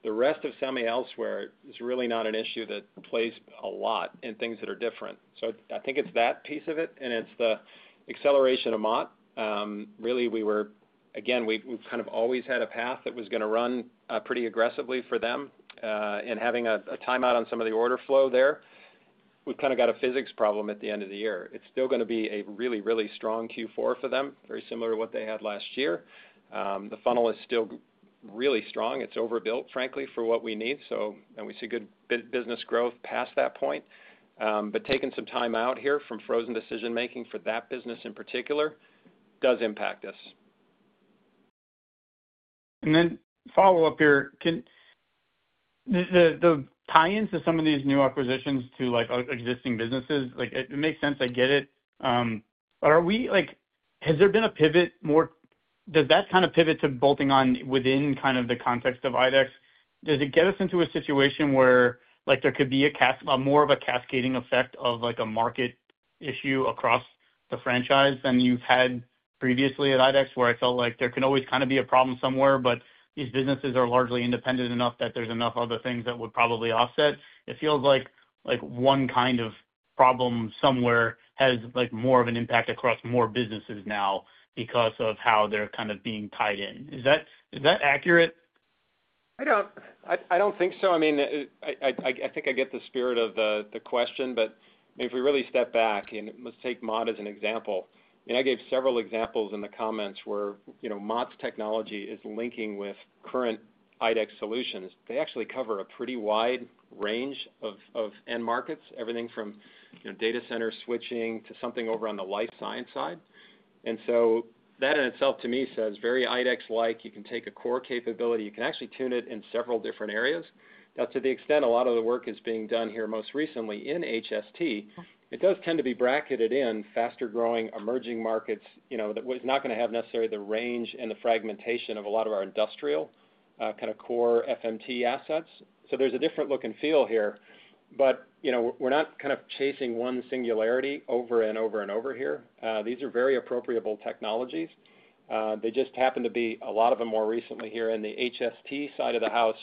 The rest of semi elsewhere is really not an issue that plays a lot in things that are different. I think it's that piece of it, and it's the acceleration of MOT. Really, we were, again, we've kind of always had a path that was going to run pretty aggressively for them. Having a timeout on some of the order flow there, we've kind of got a physics problem at the end of the year. It's still going to be a really, really strong Q4 for them, very similar to what they had last year. The funnel is still really strong. It's overbuilt, frankly, for what we need. We see good business growth past that point. Taking some time out here from frozen decision-making for that business in particular does impact us. The tie-ins to some of these new acquisitions to existing businesses, it makes sense. I get it. Has there been a pivot? Does that kind of pivot to bolting on within the context of IDEX get us into a situation where there could be more of a cascading effect of a market issue across the franchise than you've had previously at IDEX, where I felt like there could always kind of be a problem somewhere, but these businesses are largely independent enough that there's enough other things that would probably offset? It feels like one kind of problem somewhere has more of an impact across more businesses now because of how they're kind of being tied in. Is that accurate? I don't think so. I mean, I think I get the spirit of the question, but if we really step back and let's take MOT as an example. I gave several examples in the comments where MOT's technology is linking with current IDEX solutions. They actually cover a pretty wide range of end markets, everything from data center switching to something over on the life science side. That in itself, to me, says very IDEX-like. You can take a core capability. You can actually tune it in several different areas. To the extent a lot of the work is being done here most recently in HST, it does tend to be bracketed in faster-growing emerging markets that is not going to have necessarily the range and the fragmentation of a lot of our industrial kind of core FMT assets. There is a different look and feel here. We are not kind of chasing one singularity over and over and over here. These are very appropriable technologies. They just happen to be a lot of them more recently here in the HST side of the house,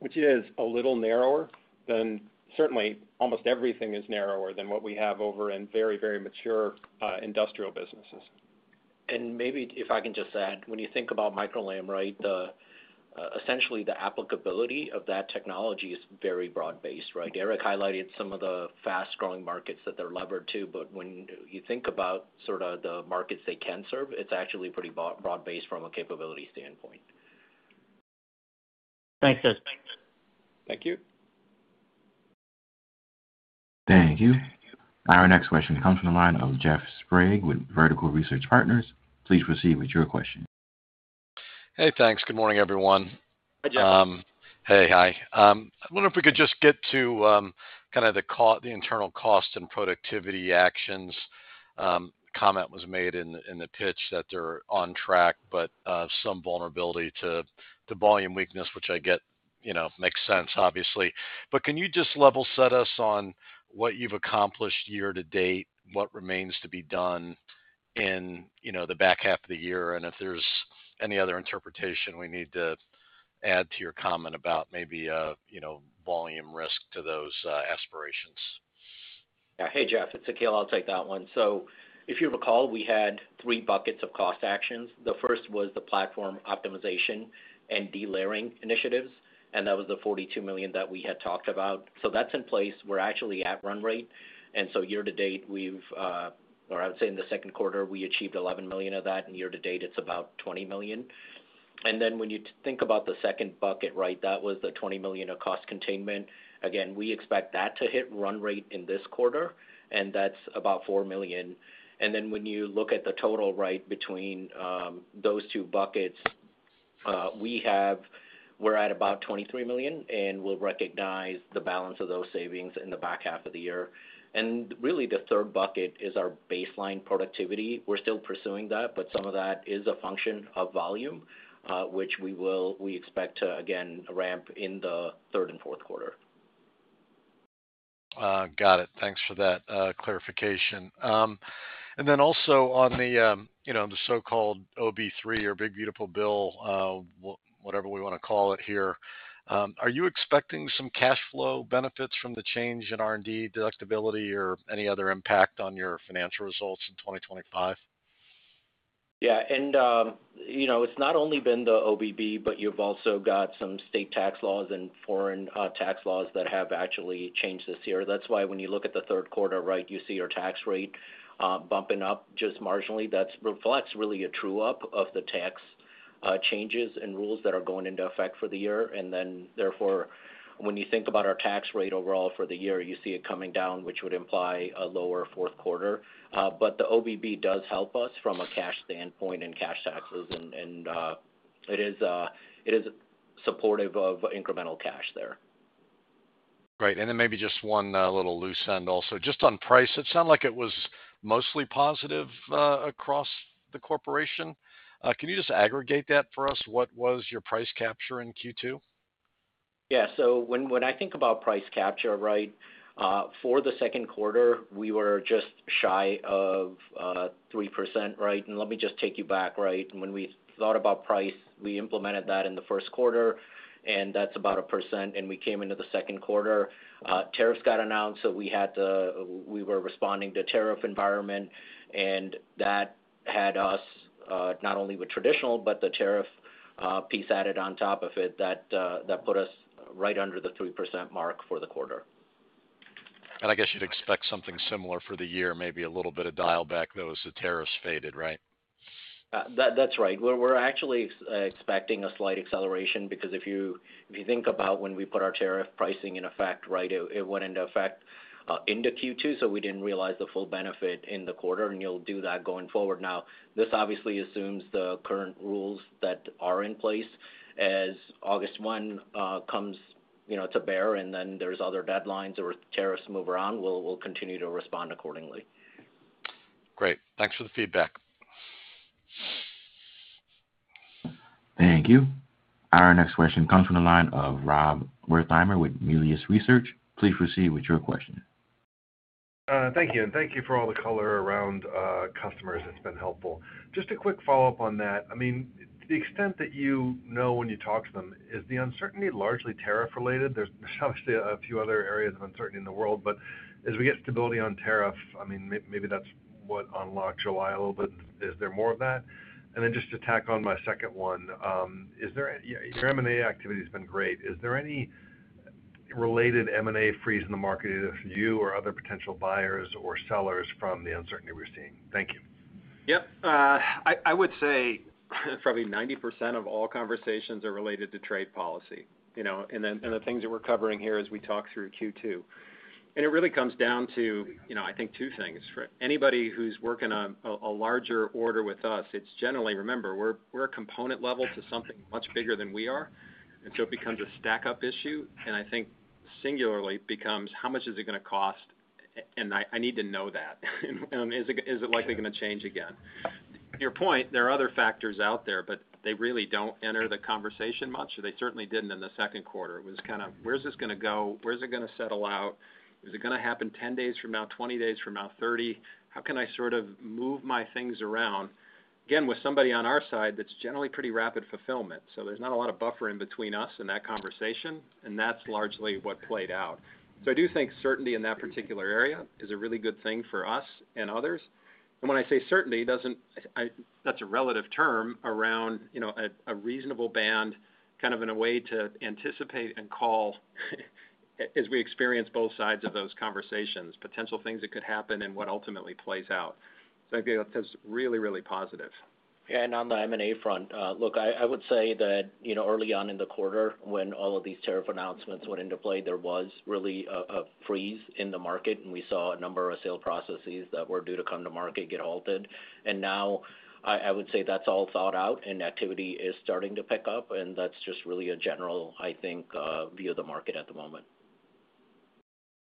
which is a little narrower than certainly almost everything is narrower than what we have over in very, very mature industrial businesses. Maybe if I can just add, when you think about MicroLam, right. Essentially, the applicability of that technology is very broad-based, right? Eric highlighted some of the fast-growing markets that they're levered to, but when you think about sort of the markets they can serve, it's actually pretty broad-based from a capability standpoint. Thanks, guys. Thank you. Thank you. Our next question comes from the line of Jeff Sprague with Vertical Research Partners. Please proceed with your question. Hey, thanks. Good morning, everyone. Hi, Jeff. Hey, hi. I wonder if we could just get to kind of the internal cost and productivity actions. Comment was made in the pitch that they're on track, but some vulnerability to volume weakness, which I get. Makes sense, obviously. Can you just level set us on what you've accomplished year to date, what remains to be done in the back half of the year, and if there's any other interpretation we need to add to your comment about maybe volume risk to those aspirations? Yeah. Hey, Jeff. It's Akhil. I'll take that one. If you recall, we had three buckets of cost actions. The first was the platform optimization and delayering initiatives. That was the $42 million that we had talked about. That's in place. We're actually at run rate. Year to date, we've—or I would say in the second quarter, we achieved $11 million of that. Year to date, it's about $20 million. When you think about the second bucket, that was the $20 million of cost containment. Again, we expect that to hit run rate in this quarter, and that's about $4 million. When you look at the total, between those two buckets, we're at about $23 million, and we'll recognize the balance of those savings in the back half of the year. Really, the third bucket is our baseline productivity. We're still pursuing that, but some of that is a function of volume, which we expect to, again, ramp in the third and fourth quarter. Got it. Thanks for that clarification. Also, on the so-called OB3 or big beautiful bill, whatever we want to call it here, are you expecting some cash flow benefits from the change in R&D deductibility or any other impact on your financial results in 2025? Yeah. It's not only been the OB3, but you've also got some state tax laws and foreign tax laws that have actually changed this year. That's why when you look at the third quarter, you see your tax rate bumping up just marginally. That reflects really a true-up of the tax changes and rules that are going into effect for the year. Therefore, when you think about our tax rate overall for the year, you see it coming down, which would imply a lower fourth quarter. The OBB does help us from a cash standpoint and cash taxes. It is supportive of incremental cash there. Right. Maybe just one little loose end also. Just on price, it sounded like it was mostly positive across the corporation. Can you just aggregate that for us? What was your price capture in Q2? Yeah. When I think about price capture for the second quarter, we were just shy of 3%, right? Let me just take you back. When we thought about price, we implemented that in the first quarter, and that's about 1%. We came into the second quarter. Tariffs got announced, so we were responding to the tariff environment. That had us not only with traditional, but the tariff piece added on top of it that put us right under the 3% mark for the quarter. I guess you'd expect something similar for the year, maybe a little bit of dial back, though, as the tariffs faded, right? That's right. We're actually expecting a slight acceleration because if you think about when we put our tariff pricing in effect, it went into effect into Q2, so we didn't realize the full benefit in the quarter. You'll do that going forward. This obviously assumes the current rules that are in place as August 1 comes to bear, and then if there are other deadlines or tariffs move around, we'll continue to respond accordingly. Great. Thanks for the feedback. Thank you. Our next question comes from the line of Rob Wertheimer with Melius Research. Please proceed with your question. Thank you. Thank you for all the color around customers. It's been helpful. Just a quick follow-up on that. I mean, to the extent that you know when you talk to them, is the uncertainty largely tariff-related? There's obviously a few other areas of uncertainty in the world, but as we get stability on tariff, I mean, maybe that's what unlocked July a little bit. Is there more of that? And then just to tack on my second one, your M&A activity has been great. Is there any related M&A freeze in the market either for you or other potential buyers or sellers from the uncertainty we're seeing? Thank you. Yep. I would say probably 90% of all conversations are related to trade policy. And the things that we're covering here as we talk through Q2. It really comes down to, I think, two things. For anybody who's working on a larger order with us, it's generally, remember, we're a component level to something much bigger than we are. It becomes a stack-up issue. I think singularly it becomes, how much is it going to cost? I need to know that. Is it likely going to change again? To your point, there are other factors out there, but they really do not enter the conversation much. They certainly did not in the second quarter. It was kind of, where is this going to go? Where is it going to settle out? Is it going to happen 10 days from now, 20 days from now, 30? How can I sort of move my things around? Again, with somebody on our side, that is generally pretty rapid fulfillment. There is not a lot of buffer in between us and that conversation. That is largely what played out. I do think certainty in that particular area is a really good thing for us and others. When I say certainty, that is a relative term around a reasonable band, kind of in a way to anticipate and call. As we experience both sides of those conversations, potential things that could happen and what ultimately plays out. I think that is really, really positive. Yeah. On the M&A front, look, I would say that early on in the quarter, when all of these tariff announcements went into play, there was really a freeze in the market. We saw a number of sale processes that were due to come to market get halted. Now, I would say that is all thought out, and activity is starting to pick up. That's just really a general, I think, view of the market at the moment.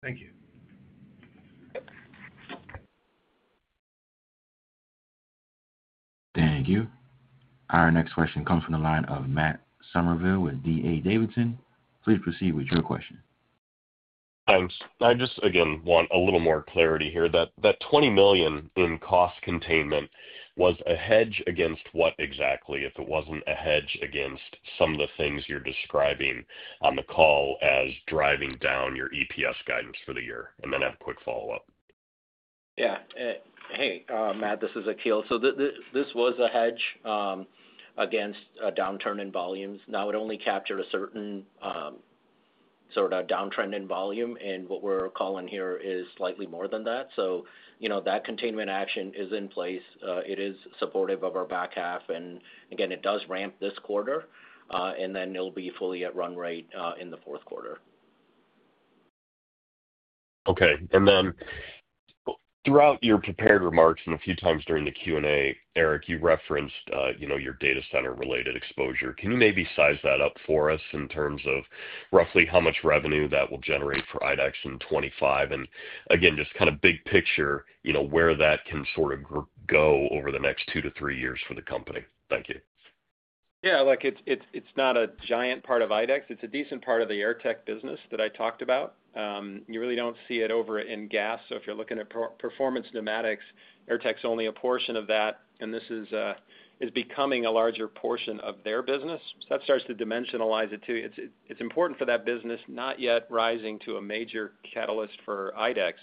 Thank you. Thank you. Our next question comes from the line of Matt Summerville with DA Davidson. Please proceed with your question. Thanks. I just, again, want a little more clarity here. That $20 million in cost containment was a hedge against what exactly if it wasn't a hedge against some of the things you're describing on the call as driving down your EPS guidance for the year? And then have a quick follow-up. Yeah. Hey, Matt, this is Akhil. This was a hedge against a downturn in volumes. Now, it only captured a certain sort of downtrend in volume. What we're calling here is slightly more than that. That containment action is in place. It is supportive of our back half. Again, it does ramp this quarter. It'll be fully at run rate in the fourth quarter. Okay. Throughout your prepared remarks and a few times during the Q&A, Eric, you referenced your data center-related exposure. Can you maybe size that up for us in terms of roughly how much revenue that will generate for IDEX in 2025? Again, just kind of big picture, where that can sort of go over the next two to three years for the company? Thank you. Yeah. It's not a giant part of IDEX. It's a decent part of the Airtech business that I talked about. You really do not see it over in gas. If you're looking at performance pneumatics, Airtech's only a portion of that. This is becoming a larger portion of their business. That starts to dimensionalize it too. It's important for that business, not yet rising to a major catalyst for IDEX.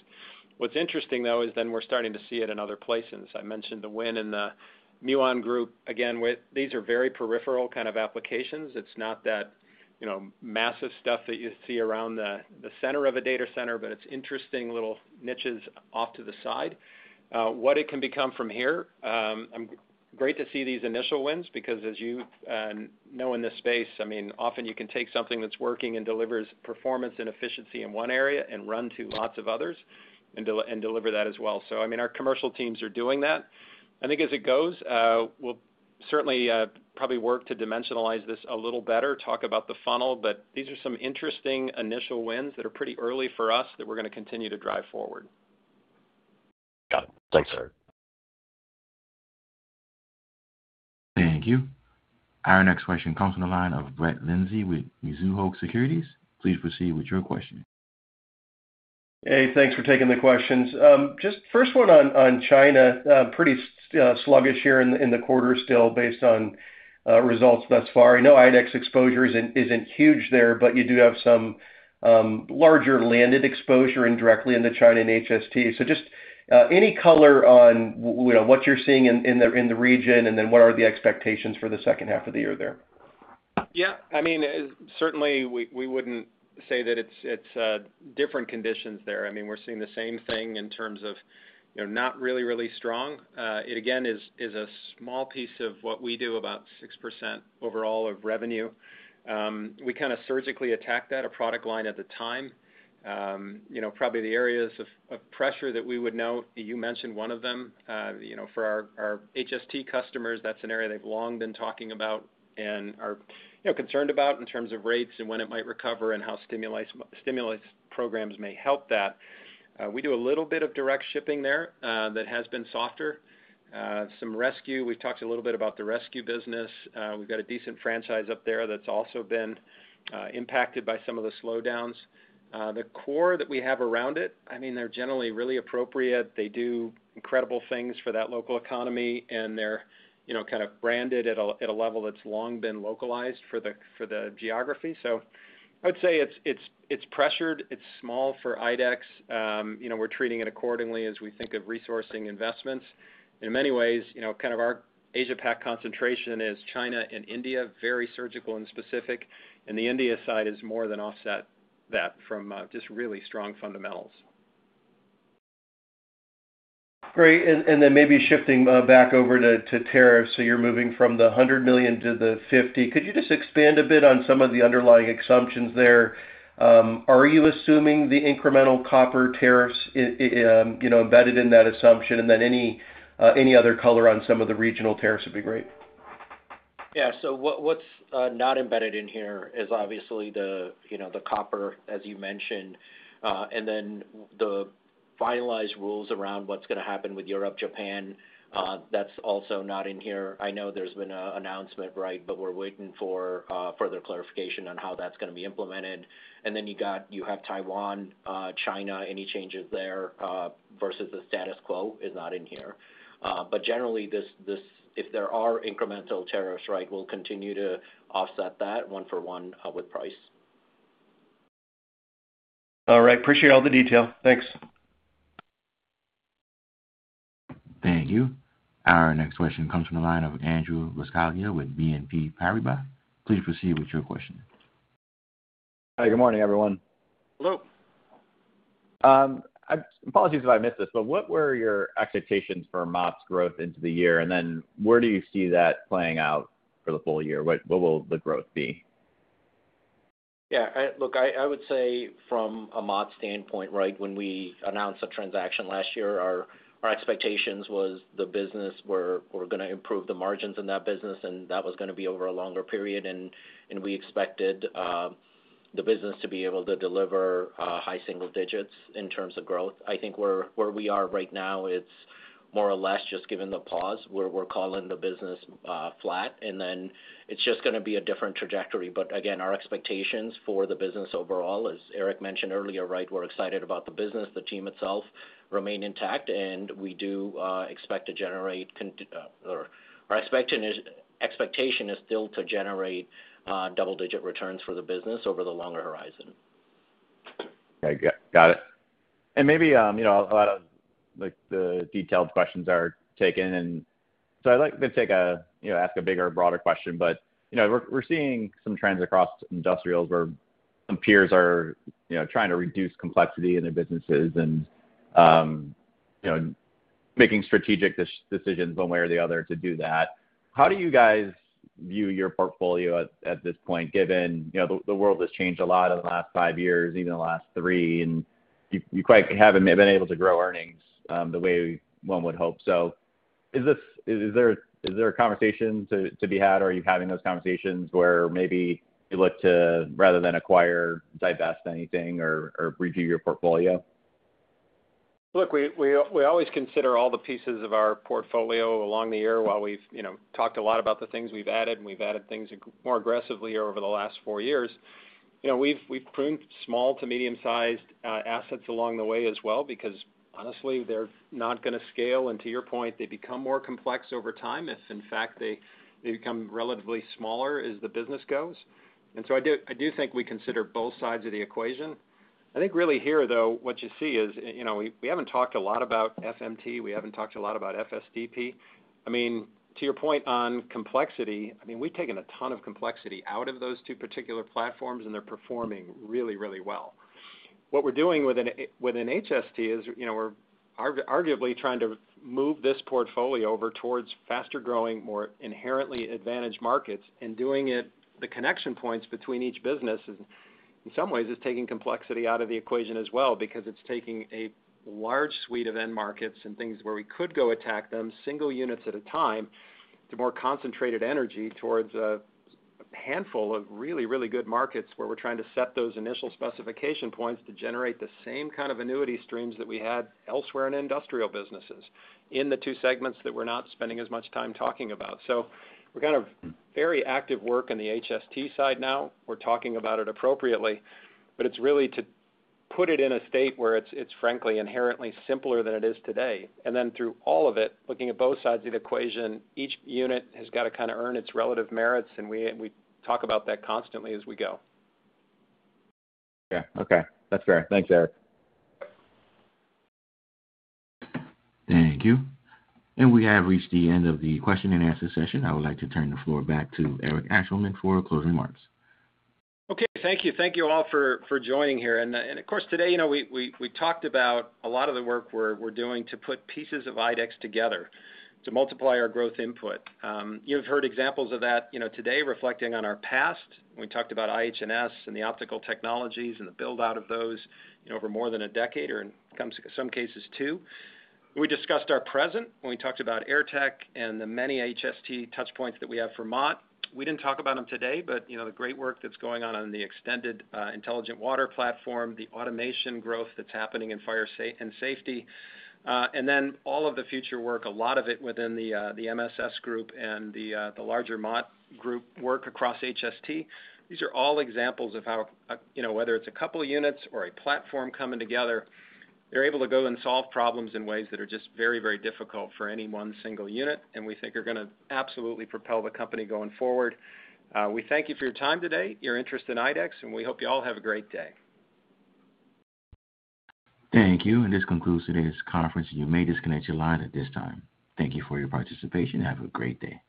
What's interesting, though, is then we're starting to see it in other places. I mentioned the win and the Muon Group. Again, these are very peripheral kind of applications. It's not that massive stuff that you see around the center of a data center, but it's interesting little niches off to the side. What it can become from here, I'm great to see these initial wins because, as you know in this space, I mean, often you can take something that's working and delivers performance and efficiency in one area and run to lots of others and deliver that as well. I mean, our commercial teams are doing that. I think as it goes, we'll certainly probably work to dimensionalize this a little better, talk about the funnel, but these are some interesting initial wins that are pretty early for us that we're going to continue to drive forward. Got it. Thanks, Eric. Thank you. Our next question comes from the line of Brett Lindsay with Mizuho Securities. Please proceed with your question. Hey, thanks for taking the questions. Just first one on China, pretty sluggish here in the quarter still based on results thus far. I know IDEX exposure isn't huge there, but you do have some larger landed exposure indirectly into China and HST. So just any color on what you're seeing in the region and then what are the expectations for the second half of the year there? Yeah. I mean, certainly, we wouldn't say that it's different conditions there. I mean, we're seeing the same thing in terms of not really, really strong. It, again, is a small piece of what we do, about 6% overall of revenue. We kind of surgically attacked that, a product line at the time. Probably the areas of pressure that we would note, you mentioned one of them. For our FST customers, that's an area they've long been talking about and are concerned about in terms of rates and when it might recover and how stimulus programs may help that. We do a little bit of direct shipping there that has been softer. Some rescue. We've talked a little bit about the rescue business. We've got a decent franchise up there that's also been impacted by some of the slowdowns. The core that we have around it, I mean, they're generally really appropriate. They do incredible things for that local economy, and they're kind of branded at a level that's long been localized for the geography. I would say it's pressured. It's small for IDEX. We're treating it accordingly as we think of resourcing investments. In many ways, kind of our Asia-Pac concentration is China and India, very surgical and specific. The India side is more than offset that from just really strong fundamentals. Great. Maybe shifting back over to tariffs. You're moving from the $100 million to the $50 million. Could you just expand a bit on some of the underlying assumptions there? Are you assuming the incremental copper tariffs embedded in that assumption? Any other color on some of the regional tariffs would be great. Yeah. What's not embedded in here is obviously the copper, as you mentioned, and then the finalized rules around what's going to happen with Europe, Japan. That's also not in here. I know there's been an announcement, right, but we're waiting for further clarification on how that's going to be implemented. You have Taiwan, China, any changes there versus the status quo is not in here. Generally, if there are incremental tariffs, right, we'll continue to offset that one for one with price. All right. Appreciate all the detail. Thanks. Thank you. Our next question comes from the line of Andrew Roscalia with BNP Paribas. Please proceed with your question. Hi. Good morning, everyone. Hello. Apologies if I missed this, but what were your expectations for Mott's growth into the year? And then where do you see that playing out for the full year? What will the growth be? Yeah. Look, I would say from a MOT standpoint, right, when we announced the transaction last year, our expectations were the business, we were going to improve the margins in that business, and that was going to be over a longer period. We expected the business to be able to deliver high single digits in terms of growth. I think where we are right now, it's more or less just given the pause where we're calling the business flat. It's just going to be a different trajectory. Again, our expectations for the business overall, as Eric mentioned earlier, we're excited about the business, the team itself remains intact, and we do expect to generate, or our expectation is still to generate, double-digit returns for the business over the longer horizon. Okay. Got it. And maybe a lot of. The detailed questions are taken. I'd like to ask a bigger, broader question, but we're seeing some trends across industrials where some peers are trying to reduce complexity in their businesses and making strategic decisions one way or the other to do that. How do you guys view your portfolio at this point, given the world has changed a lot in the last five years, even the last three, and you quite haven't been able to grow earnings the way one would hope? Is there a conversation to be had? Are you having those conversations where maybe you look to, rather than acquire, divest anything or review your portfolio? Look, we always consider all the pieces of our portfolio along the year while we've talked a lot about the things we've added, and we've added things more aggressively over the last four years. We've pruned small to medium-sized assets along the way as well because, honestly, they're not going to scale. To your point, they become more complex over time if, in fact, they become relatively smaller as the business goes. I do think we consider both sides of the equation. I think really here, though, what you see is we haven't talked a lot about FMT. We haven't talked a lot about FSDP. I mean, to your point on complexity, I mean, we've taken a ton of complexity out of those two particular platforms, and they're performing really, really well. What we're doing with an HST is we're arguably trying to move this portfolio over towards faster-growing, more inherently advantaged markets and doing it. The connection points between each business, in some ways, is taking complexity out of the equation as well because it's taking a large suite of end markets and things where we could go attack them single units at a time to more concentrated energy towards a handful of really, really good markets where we're trying to set those initial specification points to generate the same kind of annuity streams that we had elsewhere in industrial businesses in the two segments that we're not spending as much time talking about. We are kind of very active work on the HST side now. We're talking about it appropriately, but it's really to put it in a state where it's, frankly, inherently simpler than it is today. Through all of it, looking at both sides of the equation, each unit has got to kind of earn its relative merits. We talk about that constantly as we go. Okay. Okay. That's fair. Thanks, Eric. Thank you. We have reached the end of the question-and-answer session. I would like to turn the floor back to Eric Ashleman for closing remarks. Okay. Thank you. Thank you all for joining here. Of course, today, we talked about a lot of the work we're doing to put pieces of IDEX together to multiply our growth input. You've heard examples of that today, reflecting on our past. We talked about IDEX Health & Science and the optical technologies and the build-out of those over more than a decade or in some cases two. We discussed our present when we talked about Airtech and the many FST touchpoints that we have for Mott. We did not talk about them today, but the great work that is going on on the extended intelligent water platform, the automation growth that is happening in fire and safety, and then all of the future work, a lot of it within the MSS group and the larger Mott group work across HST, these are all examples of how, whether it is a couple of units or a platform coming together, they are able to go and solve problems in ways that are just very, very difficult for any one single unit, and we think are going to absolutely propel the company going forward. We thank you for your time today, your interest in IDEX, and we hope you all have a great day. Thank you. This concludes today's conference. You may disconnect your line at this time. Thank you for your participation. Have a great day.